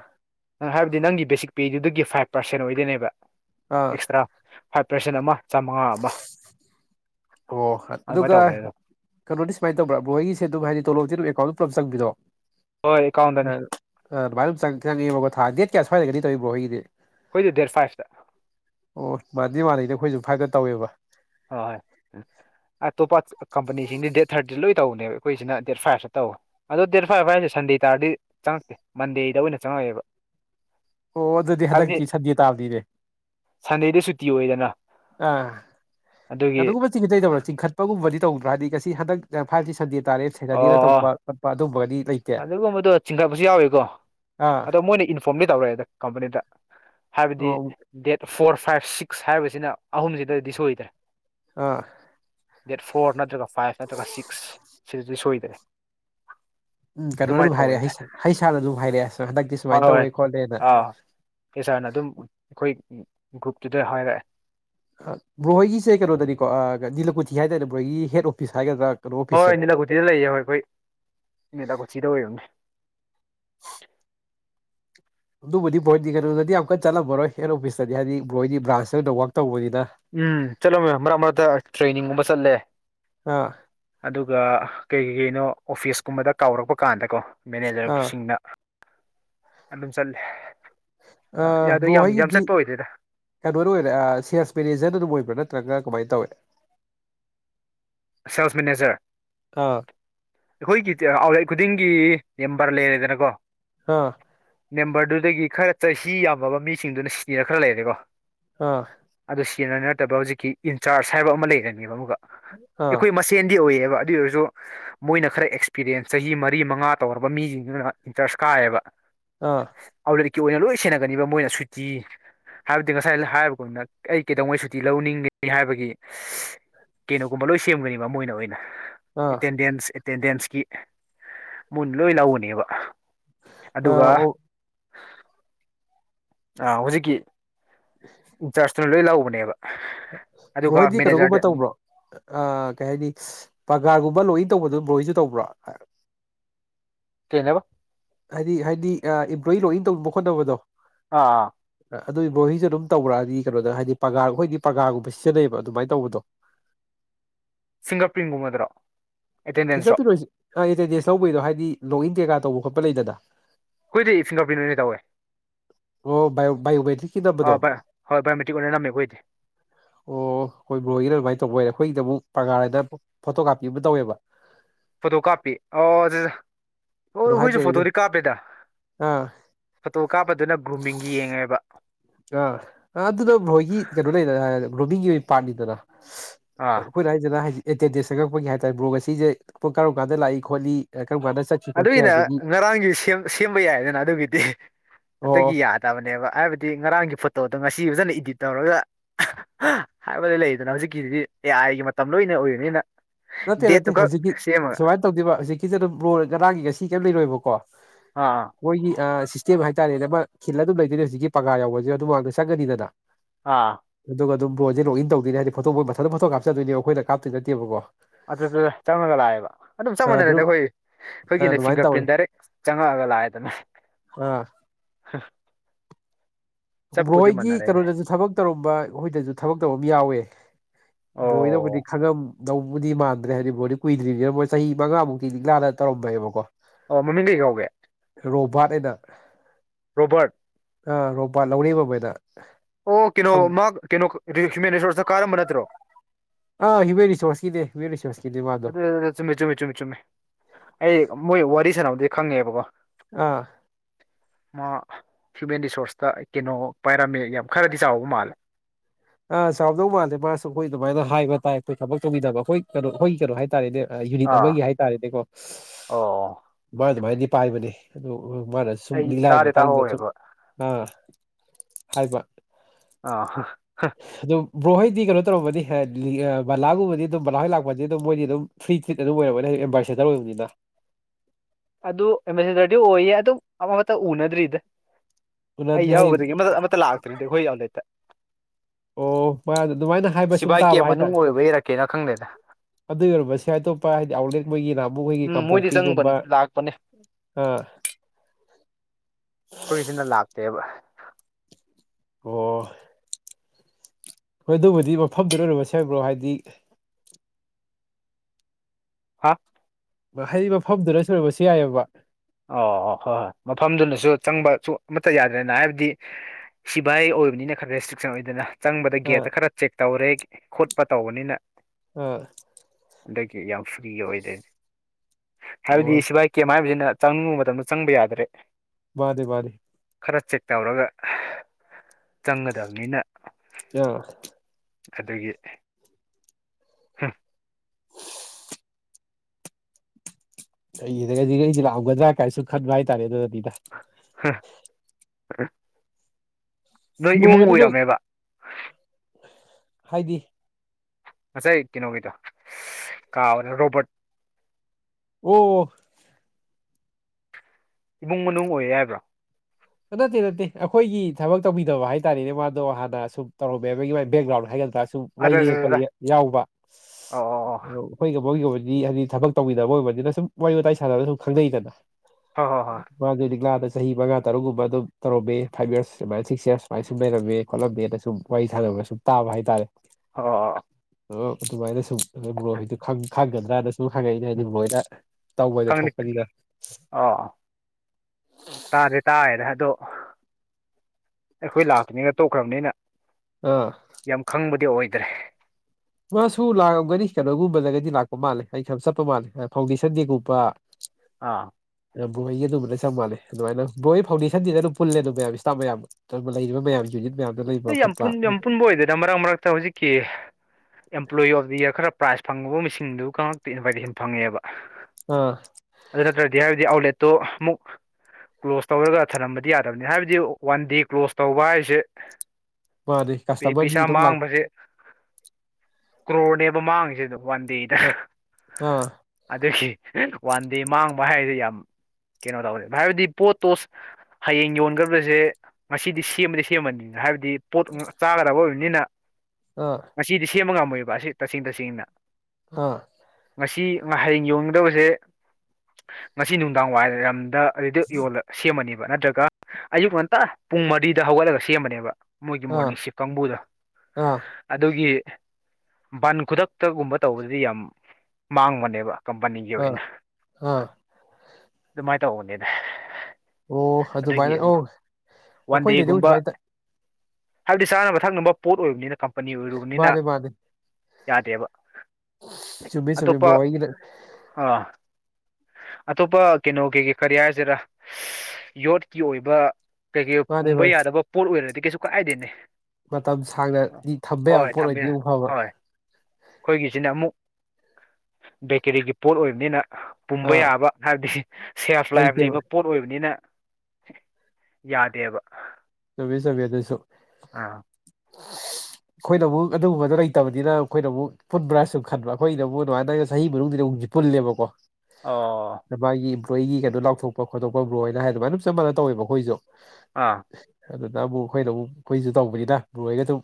ꯅꯪ ꯍꯥꯏꯕꯗꯤ ꯅꯪꯒꯤ ꯕꯦꯁꯤꯛ ꯄꯦꯗꯨꯗꯒꯤ ꯐꯥꯏꯚ ꯄꯥꯔꯁꯦꯟ ꯑꯣꯏꯗꯣꯏꯅꯦꯕ ꯑꯥ ꯑꯦꯛꯁꯇ꯭ꯔꯥ ꯐꯥꯏꯚ ꯄꯥꯔꯁꯦꯟ ꯑꯃ ꯃꯥꯕ ꯑꯣ ꯑꯗꯨꯒ ꯀꯩꯅꯣꯗꯤ ꯁꯨꯃꯥꯏꯅ ꯇꯧꯕ꯭ꯔꯥ ꯃꯣꯏꯒꯤꯁꯦ ꯑꯗꯨꯝ ꯍꯥꯏꯗꯤ ꯇꯣꯂꯣꯞꯝ ꯑꯦꯀꯥꯎꯟ ꯄꯨꯂꯞ ꯍꯣꯏ ꯑꯦꯀꯥꯎꯟꯗꯅꯤ ꯆꯪꯕꯤꯗꯣꯚꯥꯏ ꯑꯗꯨ ꯆꯪ ꯆꯪꯡꯒ ꯊꯥ ꯗꯦꯠ ꯀꯌꯥ ꯁ꯭ꯏꯗꯗꯤ ꯇꯔꯤꯕ꯭ꯔꯣ ꯑꯩꯒꯤꯗꯤ ꯑꯩꯈꯣꯏꯗꯤ ꯗꯦꯠ ꯐꯥꯏꯚꯇ ꯑꯗꯨꯗꯤꯥꯟꯅꯩ ꯑꯩꯈꯣꯏꯁꯨ ꯐꯥꯏꯠ ꯇꯧꯋꯦꯕ ꯍꯣꯏ ꯍꯣꯏ ꯑ ꯇꯣ ꯄ ꯀꯝꯄꯅꯤꯁꯤ ꯗꯦ ꯊꯔꯇ ꯂꯣꯏ ꯇꯧꯅꯦꯕ ꯑꯩꯈꯣꯏꯁꯤꯅ ꯗꯦꯠ ꯐꯥꯏꯚꯇ ꯇꯧꯋ ꯑꯗꯣ ꯗꯦꯠ ꯐꯥꯏꯚ ꯍꯥꯏꯁꯦ ꯁꯟꯗꯦ ꯇꯥꯔꯗꯤ ꯆꯪꯉꯛꯇꯦ ꯃꯟꯗꯦꯗ ꯑꯣꯏꯅ ꯆꯪꯉꯛꯑꯦꯕ ꯑꯣ ꯑꯗꯨ ꯑꯗꯨꯗꯤ ꯍꯥꯏꯕꯗꯤ ꯍꯗꯛꯀꯤ ꯁꯗꯤ ꯇꯥꯕꯗꯤ ꯔꯦ ꯁꯟꯗꯦꯗ ꯁꯨꯇꯤ ꯑꯣꯏꯗꯅ ꯑꯥ ꯑꯗꯨꯒꯤ ꯀꯨꯝꯕ ꯆꯤꯡꯈꯠꯆꯗꯕ꯭ꯔꯥ ꯆꯤꯡꯈꯠꯄꯒꯨꯝꯕꯗꯤ ꯇꯧꯗ꯭ꯔꯥ ꯍꯥꯏꯗꯤ ꯉꯁꯤ ꯍꯟꯗꯛ ꯐꯥꯏꯁꯤ ꯁꯟꯗꯦ ꯇꯥꯔꯦ ꯁꯦꯇꯔꯗꯦꯗ ꯑꯣ ꯇꯧꯕꯄꯣꯄ ꯑꯗꯨꯒꯨꯝ ꯑꯗꯨꯒꯨꯝꯕꯗꯣ ꯆꯤꯡꯊꯕꯁꯨ ꯌꯥꯎꯏꯤꯀꯣ ꯑꯥ ꯑꯗꯣ ꯃꯣꯏꯅ ꯏꯟꯐꯣꯝꯗꯤ ꯇꯧꯔꯛꯑꯦꯗ ꯀꯝꯄꯅꯤꯗ ꯍꯥꯏꯕꯗꯤ ꯑꯣ ꯗꯦꯠ ꯐꯣꯔ ꯐꯥꯏꯚ ꯁꯤꯛꯁ ꯍꯥꯏꯕꯁꯤꯅ ꯑꯍꯨꯝꯁꯤꯗꯗꯤ ꯁꯣꯏꯗ꯭ꯔꯦ ꯑꯥ ꯗꯦꯠ ꯐꯣꯔ ꯅꯠꯇ꯭ꯔꯒ ꯐꯥꯏꯚ ꯅꯠꯇ꯭ꯔꯒ ꯁꯤꯛꯁ ꯁꯤꯗꯗꯤ ꯁꯣꯏꯗ꯭ꯔꯦ [unintelligible] ꯎꯝ ꯀꯩꯅꯣꯅ ꯑꯗꯨꯃꯥꯏꯅ ꯑꯗꯨꯝ ꯇꯧꯋꯦꯁꯦ ꯍꯥꯏꯔꯛꯑꯦ ꯍꯩꯁꯥꯅ ꯑꯗꯨꯝ ꯍꯥꯏꯔꯛꯦꯁ ꯍꯟꯗꯛꯇꯤ ꯍꯣꯏ ꯁꯨꯃꯥꯏꯅ ꯍꯣꯏ ꯇꯧꯋꯦ ꯈꯣꯠꯂꯦꯅ ꯑꯥ ꯑꯦ ꯁꯥꯔꯅ ꯑꯗꯨꯝ ꯑꯩꯈꯣꯏ ꯒ꯭ꯔꯨꯞꯇꯨꯗ ꯍꯥꯏꯔꯛꯑꯦ ꯕ꯭ꯔꯍꯣꯏꯒꯤꯁꯦ ꯀꯩꯅꯣꯗꯅꯤꯀꯣ ꯅꯤꯂꯀꯨꯊꯤ ꯍꯥꯏꯇꯥꯔꯅꯦ ꯕ꯭ꯔꯣꯣꯏꯒꯤ ꯍꯦꯠ ꯑꯣꯐꯤꯁ ꯍꯥꯏꯒꯗ꯭ꯔꯥ ꯀꯩꯅꯣ ꯍꯣꯏ ꯑꯣꯐꯤꯁꯁꯦ ꯅꯅꯤꯂꯥꯀꯨꯊꯤꯗ ꯂꯩꯌꯦ ꯍꯣꯏ ꯑꯩꯈꯣꯏ ꯅꯤꯂꯥꯀꯨꯁꯤꯤꯗ ꯑꯣꯏꯔꯝꯅꯦ [unintelligible] ꯑꯗꯨꯕꯨꯗꯤ ꯕ꯭ꯔꯣꯏꯗꯤ ꯀꯩꯅꯣꯗꯗꯤ ꯌꯥꯝ ꯀꯠ ꯆꯠꯂꯝꯃꯔꯣꯏ ꯍꯦꯠ ꯑꯣꯐꯤꯁꯇꯗꯤ ꯍꯥꯏꯗꯤ ꯕꯣꯏꯗꯤ ꯕ꯭ꯔꯥꯟꯁꯇꯅ ꯋꯥꯛ ꯇꯧꯕꯅꯤꯅ ꯎꯝ ꯆꯠꯂꯣꯃꯦ ꯃꯔꯛ ꯃꯔꯛꯇ ꯇ꯭ꯔꯦꯅꯤꯡꯒꯨꯝꯕ ꯆꯠꯂꯦ ꯑꯥ ꯑꯗꯨꯒ ꯀꯩ ꯀꯩ ꯀꯅꯣ ꯑꯣꯐꯤꯁ ꯀꯨꯝꯕꯗ ꯀꯥꯎꯔꯛꯄ ꯀꯥꯟꯗꯀꯣ ꯑꯥ ꯃꯦꯅꯦꯖꯔꯁꯤꯡꯅ ꯑꯗꯨꯝ ꯆꯜꯦ ꯕ꯭ꯔꯣꯍꯩꯒꯤꯗꯤ ꯀꯩꯅꯣꯗ ꯑꯣꯏꯔꯦ ꯁꯦꯜꯁ ꯃꯦꯅꯦꯖꯔꯅ ꯑꯗꯨꯝ ꯑꯣꯏꯕ ꯅ ꯇ ꯀꯃꯥꯏ ꯇ ꯑꯣꯏꯅꯦ ꯁꯦꯜꯁ ꯃꯦꯅꯦꯖꯔ ꯑꯥ ꯑꯩꯈꯣꯏꯒꯤ ꯑꯥꯎꯂꯦ ꯈꯨꯗꯤꯡꯒꯤ ꯅꯦꯝꯕꯔ ꯂꯩꯔꯦꯗꯅꯀꯣ ꯑꯥ ꯅꯦꯝꯕꯔꯗꯨꯗꯒꯤ ꯈꯔ ꯆꯍꯤ ꯌꯥꯝꯃꯕ ꯃꯤꯁꯤꯡꯗꯨꯅ ꯁꯤꯅ ꯈꯔ ꯂꯩꯔꯦꯀꯣ ꯑꯥ ꯀꯦꯅ ꯅꯠꯇꯕ ꯍꯧꯖꯤꯛꯀꯤ ꯏꯟꯆꯥꯔꯖ ꯍꯥꯏꯕ ꯑꯃ ꯂꯩꯒꯅꯦꯕ ꯑꯃꯛꯒ ꯑꯥ ꯑꯩꯈꯣꯏ ꯃꯁꯦꯟꯗꯤ ꯑꯣꯏꯌꯦꯕ ꯑꯗꯨ ꯑꯣꯏꯔꯁꯨ ꯃꯣꯏꯅ ꯈꯔ ꯑꯦꯛꯁꯄꯤꯔꯤꯌꯦꯟꯁ ꯆꯍꯤ ꯃꯔꯤ ꯃꯉꯥ ꯇꯧꯔꯕ ꯃꯤꯁꯤꯡꯗꯨꯅ ꯏꯟꯇꯔꯦꯁ ꯀꯥꯏꯌꯦꯕ ꯑꯥ ꯀꯤ ꯑꯣꯏꯅ ꯂꯣꯏ ꯁꯦꯟꯅꯒꯅꯦꯕ ꯃꯣꯏꯅ ꯁꯨꯇꯤ ꯍꯥꯏꯕꯗꯤ ꯉꯁꯥꯏ ꯍꯥꯏꯀꯅꯤꯅ ꯑꯩ ꯀꯩꯗꯧꯉꯩ ꯁꯨꯇꯤ ꯂꯧꯅꯤꯡꯒꯅꯤ ꯍꯥꯏꯕꯒꯤ ꯀꯩꯅꯣ ꯒꯨꯝꯕ ꯂꯣꯏ ꯁꯦꯝꯒꯅꯤꯕ ꯃꯣꯏꯅ ꯑꯣꯏꯅ ꯑꯥ ꯑꯦꯇꯦꯟꯗꯦꯟꯁ ꯇꯦꯟꯗꯦꯟꯁꯀꯤ ꯃꯨꯟ ꯂꯣꯏ ꯂꯧꯕꯅꯦꯕ ꯑꯥ ꯑꯗꯨꯒ ꯑꯣ ꯍꯧꯖꯤꯛꯀꯤ ꯏꯟꯆꯥꯔꯖꯇꯨꯅ ꯂꯣꯏ ꯂꯧꯕꯅꯦꯕ ꯑꯗꯨꯒ ꯕ꯭ꯔꯍꯣꯏꯗꯤ ꯀꯩꯅꯣꯒꯨꯝꯕ ꯃꯦꯅꯦꯖꯔꯗ ꯇꯧꯕ꯭ꯔꯣ ꯑ ꯀꯩ ꯍꯥꯏꯅꯤ ꯕꯒꯥꯔꯒꯨꯝꯕ ꯂꯣꯏ ꯇꯧꯕꯗꯨꯣ ꯕ꯭ꯔꯣꯏꯁꯨ ꯇꯧꯕ꯭ꯔꯥ ꯀꯅꯦꯕ ꯍꯥꯏꯗꯤ ꯍꯥꯏꯗꯤ ꯏꯝꯄ꯭ꯂꯣꯌꯤ ꯂꯣꯏꯅ ꯇꯧꯅꯤꯡꯅꯕ ꯈꯣꯠꯅꯕꯗꯣ ꯑꯥ ꯑꯗꯨꯏꯕꯣꯍꯤꯁꯨ ꯑꯗꯨꯝ ꯇꯧꯔꯛꯑꯗꯤ ꯀꯩꯅꯣꯗ ꯍꯥꯏꯗꯤ ꯄꯒꯥ ꯑꯩꯈꯣꯏꯗꯤ ꯄꯒꯥꯒꯨꯝꯕ ꯁꯤꯖꯤꯟꯅꯩꯑꯕ ꯑꯗꯨꯃꯥꯏꯅ ꯇꯧꯕꯗꯣ [unintelligible] ꯁꯤꯡꯒꯥꯄꯤꯒꯨꯝꯃꯗꯨ꯭ꯔꯣ ꯐꯤꯡꯒꯔ ꯄ꯭ꯔꯤꯟ ꯑꯣꯏꯁꯦ ꯑꯦꯇꯦꯟꯗꯦꯟꯁ ꯇꯧꯕꯩꯗꯣ ꯍꯥꯏꯗꯤ ꯂꯣꯛꯏꯟ ꯀꯩꯀꯥ ꯇꯧꯕ ꯈꯣꯠꯄ ꯂꯩꯗꯅ ꯍꯨꯏꯗꯤ ꯐꯤꯟꯗꯣꯔ ꯐꯤꯗꯣ ꯑꯣꯏꯅ ꯇꯧꯋꯦ ꯑꯣꯑꯣ ꯌꯑꯣꯕꯦꯇꯀꯤꯗꯕꯗꯣ ꯑꯥ ꯑꯣ ꯕꯥꯏ ꯍꯣꯏ ꯕꯥꯏꯑꯣꯃꯦꯇ꯭ꯔꯤꯛ ꯑꯣꯏꯅ ꯅꯝꯃꯦ ꯑꯩꯈꯣꯏꯗꯤ ꯑꯩꯣꯏ ꯕ꯭ꯔꯣꯒꯤꯔ ꯑꯗꯨꯃꯥꯏꯅ ꯇꯧꯕ ꯑꯣꯏꯔꯦ ꯑꯩꯈꯣꯏꯗꯕꯨꯛ ꯄꯒꯒꯥꯔꯗ ꯐꯣꯇꯣ ꯀꯥꯞꯄꯤ ꯑꯃ ꯇꯧꯋꯦꯕ ꯐꯣꯇꯣ ꯀꯥꯞꯄꯤ ꯑꯣ ꯑꯣ ꯀꯩꯅꯣ ꯑꯩꯈꯣꯏꯁꯨ ꯍꯥꯏꯇꯥꯔꯦꯅꯦ ꯐꯣꯇꯣꯗꯤ ꯀꯥꯞꯂꯦꯗ ꯑꯥ ꯐꯣꯇꯣ ꯀꯥꯞꯄꯗꯨꯅ ꯒ꯭ꯔꯨꯃꯤꯡꯒꯤ ꯌꯦꯡꯉꯦꯕ ꯑ ꯑꯗꯨꯗ ꯍꯣꯏꯒꯤ ꯀꯩꯅꯣ ꯂꯩꯗꯅ ꯔꯣꯃꯤꯡꯒꯤ ꯑꯣꯏꯅ ꯄꯥꯟꯅꯤꯗꯅ ꯑꯥ ꯍꯣꯏꯔ ꯍꯥꯏꯗꯅꯥ ꯍꯥꯏ ꯑꯦꯇꯦꯟꯗꯦꯟꯁ ꯆꯪꯉꯛꯄꯒꯤ ꯍꯥꯏꯇꯥꯔꯦ ꯕ꯭ꯔꯣ ꯉꯁꯤꯁꯦ ꯀꯔꯝ ꯀꯥꯟꯗ ꯂꯥꯛꯏ ꯈꯣꯠꯂꯤ ꯀꯔꯝ ꯀꯥꯟꯗ ꯆꯠꯈꯤ ꯈꯣꯠꯈꯤ ꯑꯗꯨꯒꯤꯅ ꯍꯥꯏꯕꯒꯤ ꯉꯔꯥꯡꯁꯨ ꯁꯦꯝꯕ ꯌꯥꯏꯗꯅ ꯑꯗꯨꯒꯤꯗꯤ ꯑꯣ ꯑꯗꯨꯒꯤ ꯌꯥꯗꯕꯅꯦꯕ ꯍꯥꯏꯕꯗꯤ ꯉꯔꯥꯡꯒꯤ ꯐꯣꯇꯣꯗꯣ ꯉꯁꯤ ꯐꯖꯅ ꯏꯗꯤꯠ ꯇꯧꯔꯒ ꯍꯥꯏꯕꯗ ꯂꯩꯗꯅ ꯍꯧꯖꯤꯛꯀꯤꯗꯨꯗꯤ ꯑꯦ ꯑꯥꯏꯒꯤ ꯃꯇꯝ ꯂꯣꯏꯅ ꯑꯣꯏꯕꯅꯤꯅ ꯅꯠꯇꯦ ꯅꯠꯇꯦ ꯗꯦꯠꯇꯨꯈꯛ ꯍꯧꯖꯤꯛꯀꯤ ꯁꯦꯝꯃꯒ ꯁꯨꯃꯥꯏꯅ ꯇꯧꯗꯕ ꯍꯧꯖꯤꯛꯀꯤꯁꯦ ꯑꯗꯨꯝ ꯔꯣ ꯔꯥꯒꯤ ꯉꯁꯤ ꯀꯩꯝ ꯂꯩꯔꯣꯏꯕꯀꯣ ꯑꯥ ꯑꯥ ꯑꯣꯏꯣꯏ ꯑ ꯁꯤꯁꯇꯦꯝ ꯍꯥꯏꯇꯥꯔꯦꯅꯦꯅ ꯈꯤꯜ ꯑꯗꯨꯝ ꯂꯩꯗꯣꯏꯅꯦ ꯍꯧꯖꯤꯛꯀꯤ ꯄꯪꯒꯥ ꯌꯥꯎꯕꯁꯦ ꯑꯗꯨꯃꯥꯡꯗ ꯆꯪꯒꯅꯤꯗꯅ ꯑꯥ ꯑꯗꯨꯒ ꯑꯗꯨꯝ ꯕꯣꯣꯟꯁꯦ ꯂꯣꯛ ꯏꯟ ꯇꯧꯗꯣꯏꯅꯦ ꯍꯥꯏꯗꯤ ꯐꯣꯇ ꯕꯜ ꯃꯊꯥꯗ ꯐꯣꯇꯣꯛ ꯀꯥꯞꯆꯗꯣꯏꯅꯦꯕ ꯑꯩꯈꯣꯏꯅ ꯀꯥꯞꯇꯣꯏ ꯅꯠꯇꯦꯕꯀꯣ ꯑꯗꯨ ꯑꯗꯨꯗ ꯆꯪꯉꯒ ꯂꯥꯛꯑꯦꯕ ꯑꯗꯨꯝ ꯆꯞ ꯃꯥꯟꯅꯔꯦꯗ ꯑꯗꯨ ꯑꯩꯈꯣꯏ ꯑꯩꯈꯣꯏꯒꯤꯅꯦ ꯑꯗꯨꯃꯥꯏꯅ ꯐꯤꯡꯒꯔ ꯄ꯭ꯔꯤꯟ ꯇꯧꯋꯤ ꯗꯥꯏꯔꯦꯛ ꯆꯪꯉꯛꯑꯒ ꯂꯥꯏꯗꯅ ꯑꯥ ꯍꯥ ꯃ ꯍꯣꯏꯒꯤ ꯀꯩꯅꯣꯗꯁꯨ ꯊꯕꯛ ꯇꯧꯔꯝꯕ ꯑꯩꯈꯣꯏꯗꯁꯨ ꯊꯕꯛ ꯇꯧꯔꯝ ꯌꯥꯎꯋꯦ ꯕꯣꯏꯗꯕꯨꯗꯤ ꯑꯣ ꯈꯪꯉꯝ ꯅꯧꯕꯨꯗꯤ ꯃꯥꯟꯗ꯭ꯔꯦ ꯍꯥꯏꯗꯤ ꯕꯣꯔꯗꯤ ꯀꯨꯏꯗ꯭ꯔꯤꯅꯤꯅ ꯃꯣꯏ ꯆꯍꯤ ꯃꯉꯥꯃꯨꯛꯇꯤ ꯂꯤꯛ ꯂꯥꯅ ꯇꯧꯔꯝꯕꯃꯦꯑꯕꯀꯣ ꯑꯣ ꯃꯃꯤꯡ ꯂꯩ ꯀꯧꯒꯦ ꯔꯣꯕꯥꯠ ꯑꯩꯅ ꯔꯣꯕꯔꯠ ꯑꯥ ꯔꯣꯝꯕꯥꯠ ꯂꯧꯔꯤꯕꯕ ꯑꯩꯅ ꯑꯣ ꯀꯩꯅꯣ ꯃꯥ ꯀꯩꯅꯣꯔꯤ ꯃꯅꯦ ꯁ ꯑ ꯍꯤꯕꯦꯔꯤ ꯁꯋꯥꯁꯗꯦ ꯍꯤꯕꯦꯔꯤ ꯁꯋꯥꯁ ꯑꯗꯨ ꯆꯨꯝꯃꯦ ꯆꯨꯝꯃꯦ ꯆꯨꯝꯃꯦ ꯆꯨꯝꯃꯦ ꯑꯩ ꯃꯣꯏ ꯋꯥꯔꯤ ꯁꯥꯟꯅꯕꯅꯕꯗꯤ ꯈꯪꯉꯦꯕꯀꯣ ꯑꯥ ꯃꯥ ꯍ꯭ꯌꯨꯃꯦꯟ ꯔꯤꯁꯣꯔꯁꯇ ꯀꯩꯅꯣ ꯄꯥꯏꯔꯝꯃꯦ ꯌꯥꯝ ꯈꯔꯗꯤ ꯆꯥꯎꯕ ꯃꯥꯜꯂꯦ ꯑ ꯆꯥꯎꯗꯧ ꯃꯥꯜꯂꯦ ꯃꯥꯁꯨ ꯑꯩꯈꯣꯏ ꯑꯗꯨꯃꯥꯏꯅ ꯍꯥꯏꯕ ꯇꯥꯏ ꯑꯩꯈꯣꯏ ꯊꯕꯛ ꯇꯧꯕꯤꯗꯕ ꯑꯩꯈꯣꯏ ꯀꯩꯅꯣ ꯑꯩꯈꯣꯏ ꯀꯩꯅꯣ ꯍꯥꯏꯇꯥꯥꯔꯦꯅꯦ ꯌꯨꯅꯤꯠ ꯑꯥ ꯑꯃꯒꯤ ꯍꯥꯏꯇꯥꯔꯦꯅꯦꯀꯣ ꯑꯣ ꯃꯥ ꯑꯗꯨꯃꯥꯏꯅꯗꯤ ꯄꯥꯏꯕꯅꯦ ꯑꯗꯨ ꯎ ꯃꯥꯅ ꯁꯨꯝ ꯑꯩ ꯂꯤꯂꯥꯏ ꯇꯥꯗꯤ ꯃꯇꯥꯡꯗ ꯁꯨꯝ ꯇꯥꯍꯧꯋꯦꯕ ꯑꯥ ꯍꯥꯏꯕ ꯑ ꯑꯗꯨ ꯑꯗꯨ ꯕ꯭ꯔꯣꯍꯩꯗꯤ ꯀꯩꯅꯣ ꯇꯧꯔꯝꯝꯕꯗꯤ ꯕꯂꯥꯒꯨꯝꯕꯗꯤ ꯑꯗꯨꯝ ꯕꯂꯥ ꯍꯩ ꯂꯥꯛꯄꯁꯗꯤ ꯑꯗꯨꯝ ꯃꯣꯏꯗꯤ ꯑꯗꯨꯝ ꯐ꯭ꯔꯤ ꯇ꯭ꯔꯤ ꯑꯗꯨ ꯑꯣꯏꯔꯔꯕꯅꯦ ꯕꯥꯏ ꯁꯦꯇꯔ ꯑꯣꯏꯕꯖꯤ ꯑꯗꯨꯔꯗꯤ ꯑꯣꯏꯌꯦ ꯑꯗꯨ ꯑꯃꯃꯛꯇ ꯎꯅꯗ꯭ꯔꯤꯗ ꯑꯩ ꯑꯗꯨꯅꯗꯤ ꯍꯥꯏꯗꯤ ꯌꯥꯎꯕꯗꯒꯤ ꯑꯃ ꯑꯃꯠꯇ ꯂꯥꯛꯇ꯭ꯔꯤꯅꯗꯤ ꯑꯩꯈꯣꯏ ꯌꯥꯎꯂꯦꯠꯇ ꯑꯣ ꯃ ꯑꯗꯨꯃꯥꯏꯅ ꯍꯥꯏꯕ ꯁꯨꯝ ꯁꯤꯕꯥꯏ ꯀꯦꯝ ꯇꯥꯕ ꯃꯅꯨꯡ ꯍꯥꯏꯇꯥꯔꯦ ꯑꯣꯏꯕꯩꯔꯛꯀꯦꯅ ꯈꯪꯗꯦꯗ ꯑꯗꯨ ꯑꯣꯏꯔꯝꯕꯁꯦ ꯑꯇꯣꯞꯄ ꯍꯥꯏꯗꯤ ꯑꯥꯎꯠꯂꯦꯠ ꯃꯣꯏꯒꯤ ꯑꯃꯈꯣꯏꯒꯤ ꯎꯝ ꯃꯣꯏꯗꯤ ꯀꯥꯡꯄꯣꯛꯄꯤꯒꯨꯝꯕ ꯆꯪꯕꯅꯤ ꯂꯥꯛꯄꯅꯦ ꯑ ꯑꯩꯈꯏꯁꯤꯅ ꯂꯥꯛꯇꯦꯕ ꯑꯣ ꯍꯣꯏ ꯑꯗꯨꯕꯨꯗꯤ ꯃꯐꯝꯗꯨ ꯂꯣꯏꯔꯕ ꯁꯦꯝꯕ꯭ꯔꯣ ꯍꯥꯏꯗꯤ ꯍꯥ ꯍꯩ ꯃꯐꯝꯗꯨꯗ ꯁꯣꯏꯔꯕꯁꯨ ꯌꯥꯏꯑꯕ ꯑꯣ ꯑꯣ ꯍꯣꯏ ꯍꯣꯏ ꯃꯐꯝꯗꯨꯅꯁꯨ ꯆꯪꯕꯁꯨ ꯑꯃꯠꯇ ꯌꯥꯗ꯭ꯔꯦꯅ ꯍꯥꯏꯕꯗꯤ ꯁꯤꯚꯥꯏ ꯑꯣꯏꯕꯅꯤꯅ ꯈꯔ ꯔꯦꯁꯇ꯭ꯔꯤꯛꯁꯟ ꯑꯣꯏꯗꯅ ꯆꯪꯕꯗ ꯑꯥ ꯒꯦꯠꯇ ꯈꯔ ꯆꯦꯛ ꯇꯧꯔꯦ ꯈꯣꯠꯄ ꯇꯧꯕꯅꯤꯅ ꯑ ꯍꯟꯗꯛꯀꯤ ꯌꯥꯝ ꯐ꯭ꯔꯤ ꯑꯣꯏꯗꯦ ꯑꯣ ꯍꯥꯏꯕꯗꯤ ꯁꯤꯕꯥꯏ ꯀꯦꯝ ꯍꯥꯏꯕꯁꯤꯅ ꯆꯪꯅꯤꯡꯕ ꯃꯇꯝꯗ ꯆꯪꯕ ꯌꯥꯗ꯭ꯔꯦ ꯋꯥꯗꯦ ꯋꯥꯗꯦ ꯈꯔ ꯆꯦꯛ ꯇꯧꯔꯒ ꯆꯪꯒꯗꯕꯅꯤꯅ ꯑꯥ ꯑꯗꯨꯒꯤ ꯍꯥꯥ ꯑꯩꯗꯒꯗꯤꯈꯩꯗꯤ ꯂꯥꯛꯑꯒꯗ꯭ꯔꯥ ꯀꯥꯏꯁꯨ ꯈꯟꯕ ꯍꯥꯏꯇꯥꯔꯦ ꯑꯗꯨꯅꯗꯤꯗ ꯑ ꯅꯣꯏ ꯏꯃꯨꯡ ꯕ꯭ꯔꯣꯒꯗꯤ ꯑꯗꯨꯝ ꯑꯣꯏꯔꯝꯃꯦꯕ ꯍꯥꯏꯗꯤ ꯉꯁꯥꯏ ꯇꯤꯅꯣꯒꯤꯗ ꯀꯥ ꯔꯣꯕꯔꯠ ꯑꯣ ꯏꯃꯨꯡ ꯃꯅꯨꯡ ꯑꯣꯏꯌꯦ ꯍꯥꯏꯕ꯭ꯔꯣ ꯅꯠꯇꯦ ꯅꯠꯇꯦ ꯑꯩꯈꯣꯏꯒꯤ ꯊꯕꯛ ꯇꯧꯕꯤꯗꯕ ꯍꯥꯏ ꯇꯔꯅꯦ ꯃꯥꯗꯣ ꯍꯥꯟꯅ ꯁꯨꯝ ꯇꯧꯔꯝꯃꯤꯕꯒꯤ ꯃꯥ ꯕꯦꯛꯒ꯭ꯔꯥꯎꯟ ꯍꯥꯏꯒ ꯇꯥꯔ ꯁꯨ ꯋꯥꯔꯤ ꯑꯗ ꯂꯤꯔꯛꯄꯗ ꯌꯥꯎꯕ ꯑꯣ ꯑꯣ ꯑꯣ ꯑ ꯑꯩꯈꯣꯏ ꯀꯕꯣꯏ ꯀ ꯍꯥꯏꯗꯤ ꯍꯥꯏꯗꯤ ꯊꯕꯛ ꯇꯧꯕꯤꯟꯅꯕ ꯑꯣꯏꯕꯅꯤꯅ ꯁꯨꯝ ꯋꯥꯔꯤ ꯋꯥꯇꯥꯏ ꯁꯥꯟꯅꯕꯅ ꯁꯨꯝ ꯈꯪꯖꯩꯗꯅ ꯍꯣꯏ ꯍꯣꯏ ꯃꯥꯅꯗ ꯆꯍꯤ ꯆꯍꯤ ꯇꯔꯨꯛꯒꯨꯝꯕ ꯑꯗꯨꯝ ꯇꯧꯔꯝꯃꯦ ꯐꯥꯏꯚ ꯌꯔꯁ ꯁꯨꯃꯥꯏꯅ ꯁꯤꯛꯁ ꯌꯔꯁ ꯁꯨꯃꯥꯏꯅ ꯁꯨꯝ ꯂꯩꯔꯝꯃꯦ ꯈꯣꯠꯂꯝꯝꯃꯦꯅ ꯁꯨꯝ ꯋꯥꯔꯤ ꯁꯥꯟꯅꯕ ꯁꯨꯝ ꯇꯥꯕ ꯍꯥꯏꯇꯥꯔꯦ ꯍ ꯑ ꯑꯗꯨꯃꯥꯏꯅ ꯁꯨꯝ ꯃꯔꯣꯏ ꯍꯗ ꯈ ꯈꯪꯒꯗ꯭ꯔꯥꯅ ꯁꯨꯝ ꯍꯪꯉꯛꯏꯅꯦ ꯍꯥꯏꯗꯤ ꯃꯣꯏꯅ ꯇꯧꯕꯗꯣ ꯈꯪꯅꯤ ꯊꯣꯛꯄꯅꯤꯗ ꯇꯥꯗꯦ ꯇꯥꯗ ꯑꯗꯣ ꯑꯩꯈꯣꯏ ꯂꯥꯛꯇ꯭ꯔꯤꯉꯅ ꯇꯣꯛꯈ꯭ꯔꯕꯅꯤꯅ ꯑꯥ ꯌꯥꯝ ꯈꯪꯕꯗꯤ ꯑꯣꯏꯗ꯭ꯔꯦ ꯃꯥꯁꯨ ꯂꯥꯛꯑꯝꯒꯅꯤ ꯀꯩꯅꯣꯒꯨꯝꯕꯗꯒꯗꯤ ꯂꯥꯛꯄ ꯃꯥꯜꯂꯦ ꯑꯩ ꯈꯕ ꯆꯠꯄ ꯃꯥꯜꯂꯦ ꯐꯥꯎꯟꯗꯦꯁꯟ ꯗꯦꯒꯨꯝꯕ ꯑꯥ ꯕꯣꯏꯒꯤ ꯑꯗꯨꯝꯕꯅ ꯆꯞ ꯃꯥꯟꯂꯦ ꯑꯗꯨꯃꯥꯏ ꯕꯣꯏ ꯐꯥꯎꯟꯗꯦꯁꯟꯁꯤꯗ ꯑꯗꯨꯝ ꯄꯨꯜꯂꯦ ꯑꯗꯨ ꯃꯌꯥꯝ ꯏꯁꯇꯥꯐ ꯃꯌꯥꯝ ꯂꯩꯔꯤꯕ ꯃꯌꯥꯝ ꯌꯨꯅꯤꯠ ꯃꯌꯥꯝ ꯌꯥꯝ ꯌꯥꯝ ꯄꯨꯟꯕ ꯑꯣꯏꯗꯅ ꯃꯔꯛ ꯃꯔꯛꯇ ꯍꯧꯖꯤꯛꯀꯤ ꯑꯦꯝꯄ꯭ꯂꯣꯌꯤ ꯑꯣꯐ ꯌꯥꯔ ꯈꯔ ꯄ꯭ꯔꯥꯏ ꯐꯪꯉꯕ ꯃꯤꯁꯤꯡꯗꯨꯇ ꯏꯟꯚꯥꯏꯇꯦꯁꯟ ꯐꯪꯉꯦꯕ ꯑꯥ ꯑꯗꯨ ꯅꯠꯇ꯭ꯔꯗꯤ ꯍꯥꯏꯕꯗꯤ ꯑꯥꯎꯠꯂꯦꯠ ꯇꯣ ꯑꯃꯨꯛ ꯀ꯭ꯂꯣꯖ ꯇꯧꯔꯒ ꯊꯔꯝꯕꯗꯤ ꯌꯥꯗꯕꯅꯤ ꯍꯥꯏꯕꯗꯤ ꯋꯥꯟ ꯗꯦ ꯀ꯭ꯂꯣꯖ ꯇꯧꯕ ꯍꯥꯏꯁꯦ ꯃꯥꯅꯦ ꯀꯁꯇꯃꯔꯗꯤ ꯄꯩꯁꯥ ꯑꯗꯨꯝ ꯂꯥꯛ ꯃꯥꯡꯕꯁꯦ ꯀ꯭ꯔꯣꯔꯅꯦꯕ ꯃꯥꯡꯉꯤꯁꯤ ꯑꯗꯨꯝ ꯋꯥꯟ ꯗꯦꯗ ꯑꯥ ꯑꯥ ꯑꯗꯨꯒꯤ ꯋꯥꯟ ꯗꯦ ꯃꯥꯡꯕ ꯍꯥꯏꯁꯦ ꯌꯥꯝ ꯀꯩꯅꯣ ꯇꯧꯁꯦ ꯍꯥꯏꯕꯗꯤ ꯄꯣꯠꯇꯣ ꯍꯌꯦꯡ ꯌꯣꯟꯈꯗꯕꯁꯦ ꯉꯁꯤꯗꯤ ꯁꯦꯝꯃꯗꯤ ꯁꯦꯝꯃꯅꯤ ꯍꯥꯏꯕꯗꯤ ꯄꯣꯠ ꯆꯥꯒꯗꯕ ꯑꯣꯏꯕꯅꯤꯅ ꯑꯥ ꯉꯁꯤꯗꯤ ꯁꯦꯝꯕ ꯉꯝꯕ ꯃꯣꯏꯕ ꯑꯁꯤ ꯇꯁꯦꯡ ꯇꯁꯦꯡꯅ ꯑꯥ ꯉꯁꯤ ꯍꯌꯦꯡ ꯌꯣꯟꯒꯗꯕꯁꯦ ꯉꯁꯤ ꯅꯨꯡꯗꯥꯡ ꯋꯥꯏꯔꯝꯗ ꯑꯗꯨꯏꯗ ꯌꯣꯂ ꯁꯦꯝꯃꯅꯦꯕ ꯅꯠꯇ꯭ꯔꯒ ꯑꯌꯨꯛ ꯉꯟꯇꯥ ꯄꯨꯡ ꯃꯔꯤꯗ ꯍꯧꯒꯠꯂꯒ ꯁꯦꯝꯕꯅꯦꯕ ꯃꯣꯏꯒꯤ ꯑꯥ ꯃꯣꯔꯅꯤꯡ ꯁꯤꯞ ꯀꯥꯡꯕꯨꯗ ꯑꯥ ꯑꯗꯨꯒꯤ ꯕꯥꯕꯟ ꯈꯨꯗꯛ ꯍꯇꯒꯨꯝꯕ ꯇꯧꯕꯗꯨꯗꯤ ꯌꯥꯝ ꯃꯥꯡꯕꯅꯦꯕ ꯀꯝꯄꯅꯤꯒꯤ ꯑꯥ ꯑꯣꯏꯅ ꯑꯥ ꯑꯗꯨꯃꯥꯏꯅ ꯇꯧꯕꯅꯤꯅ ꯑꯣ ꯑꯗꯨꯚꯥꯏꯅ ꯑꯣ ꯋꯥꯟ ꯑꯩꯈꯣꯏꯗꯗꯤ ꯍꯧ ꯗꯦꯒꯨꯝꯕ ꯚꯥꯏꯗ ꯍꯥꯏꯕꯗꯤ ꯆꯥꯅꯕ ꯊꯛꯅꯕ ꯄꯣꯠ ꯑꯣꯏꯕꯅꯤꯅ ꯄꯅꯤ ꯑꯣꯏꯔꯨꯕꯅꯤꯅ ꯃꯥꯅꯦ ꯌꯥꯗꯦꯕ ꯆꯃꯤ ꯑꯇꯣꯞꯄ ꯁꯃꯤ ꯭ꯔꯣꯏ ꯑꯥ ꯑꯇꯣꯞꯄ ꯀꯩꯅꯣ ꯀꯒꯤ ꯀꯔꯤ ꯍꯥꯏꯁꯤꯔꯥ ꯌꯣꯠꯀꯤ ꯑꯣꯏꯕ ꯀꯩꯀꯩ ꯃꯥꯅꯦ ꯄꯨꯝꯕ ꯃꯥꯅꯦ ꯌꯥꯗꯕ ꯄꯣꯠ ꯑꯣꯏꯔꯗꯤ ꯀꯩꯁꯨ ꯀꯥꯏꯥꯏꯗꯦꯅꯦ ꯃꯇꯝ ꯁꯥꯡꯅꯗꯤ ꯊꯝꯕ ꯌꯥꯕ ꯍꯣꯏ ꯄꯣꯠ ꯊꯝꯃꯦ ꯑꯣꯏꯗꯤ ꯑꯃꯨꯛ ꯐꯕ ꯍꯣꯏ ꯑꯩꯈꯣꯏꯒꯤꯁꯤꯅ ꯑꯃꯨꯛ ꯕꯦꯀꯔꯤꯒꯤ ꯄꯣꯠ ꯑꯣꯏꯕꯅꯤꯅ ꯄꯨꯝꯕ ꯑꯥ ꯌꯥꯕ ꯍꯥꯏꯕꯗꯤ ꯁꯦꯜꯐ ꯂꯥꯏꯐ ꯂꯩꯇꯦꯕ ꯂꯩꯕ ꯄꯣꯠ ꯑꯣꯏꯕꯅꯤꯅ ꯌꯥꯗꯦꯕ ꯆꯕꯤꯁꯕꯤ ꯑꯗꯨꯁꯨꯣ ꯑꯥ ꯑ ꯑꯩꯈꯣꯏꯅ ꯑꯃꯨꯛ ꯑꯗꯨꯒꯨꯝꯕꯗꯣ ꯂꯩꯇꯕꯅꯤꯅꯈꯣꯏꯅꯨꯛ ꯐꯨꯠ ꯕ꯭ꯔꯁꯁꯨ ꯈꯟꯕ ꯑꯩꯈꯣꯏꯅꯨꯛ ꯑꯗꯨꯃꯥꯏꯅ ꯆꯍꯤ ꯃꯅꯨꯡꯗ ꯄꯨꯜꯅꯦꯕꯀꯣ ꯑꯣ ꯇꯣꯣꯏꯒꯤ ꯀꯩꯅꯣ ꯂꯥꯎꯊꯣꯛꯄ ꯈꯣꯇꯄꯕ꯭ꯔꯣꯏꯅ ꯍꯥꯏ ꯑꯗꯨꯥꯏꯅꯞ ꯃꯅꯧꯋꯦꯕ ꯑꯩꯈꯣꯏꯁꯨ ꯑꯥ ꯑꯗꯨꯅ ꯑꯃꯨꯛ ꯑꯩꯈꯣꯏꯅ ꯑꯃꯨꯛ ꯑꯩꯈꯣꯏꯁꯨ ꯇꯧꯕꯅꯤꯅ ꯂꯣꯏꯒ ꯁꯨꯝ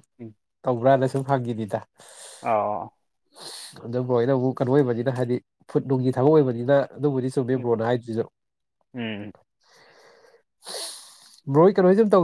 ꯇꯧꯕ꯭ꯔꯅ ꯁꯨꯝ ꯐꯪꯈꯤꯅꯤꯗ ꯑ ꯑꯗꯨꯕꯨꯣꯏꯅꯕꯨꯛ ꯀꯩꯅꯣ ꯑꯣꯏꯕꯅꯤꯅ ꯍꯥꯏꯗꯤ ꯐꯨꯠ ꯅꯨꯡꯒꯤ ꯊꯕꯛ ꯑꯣꯏꯕꯅꯤꯅ ꯑꯗꯨꯕꯨꯗꯤ ꯎꯝ ꯁꯨꯝꯕꯤꯕ꯭ꯔꯣꯅ ꯍꯥꯏꯗ꯭ꯣꯏꯁꯨ ꯎꯝ ꯃꯔꯣꯏ ꯀꯩꯅꯣꯁ ꯇꯧ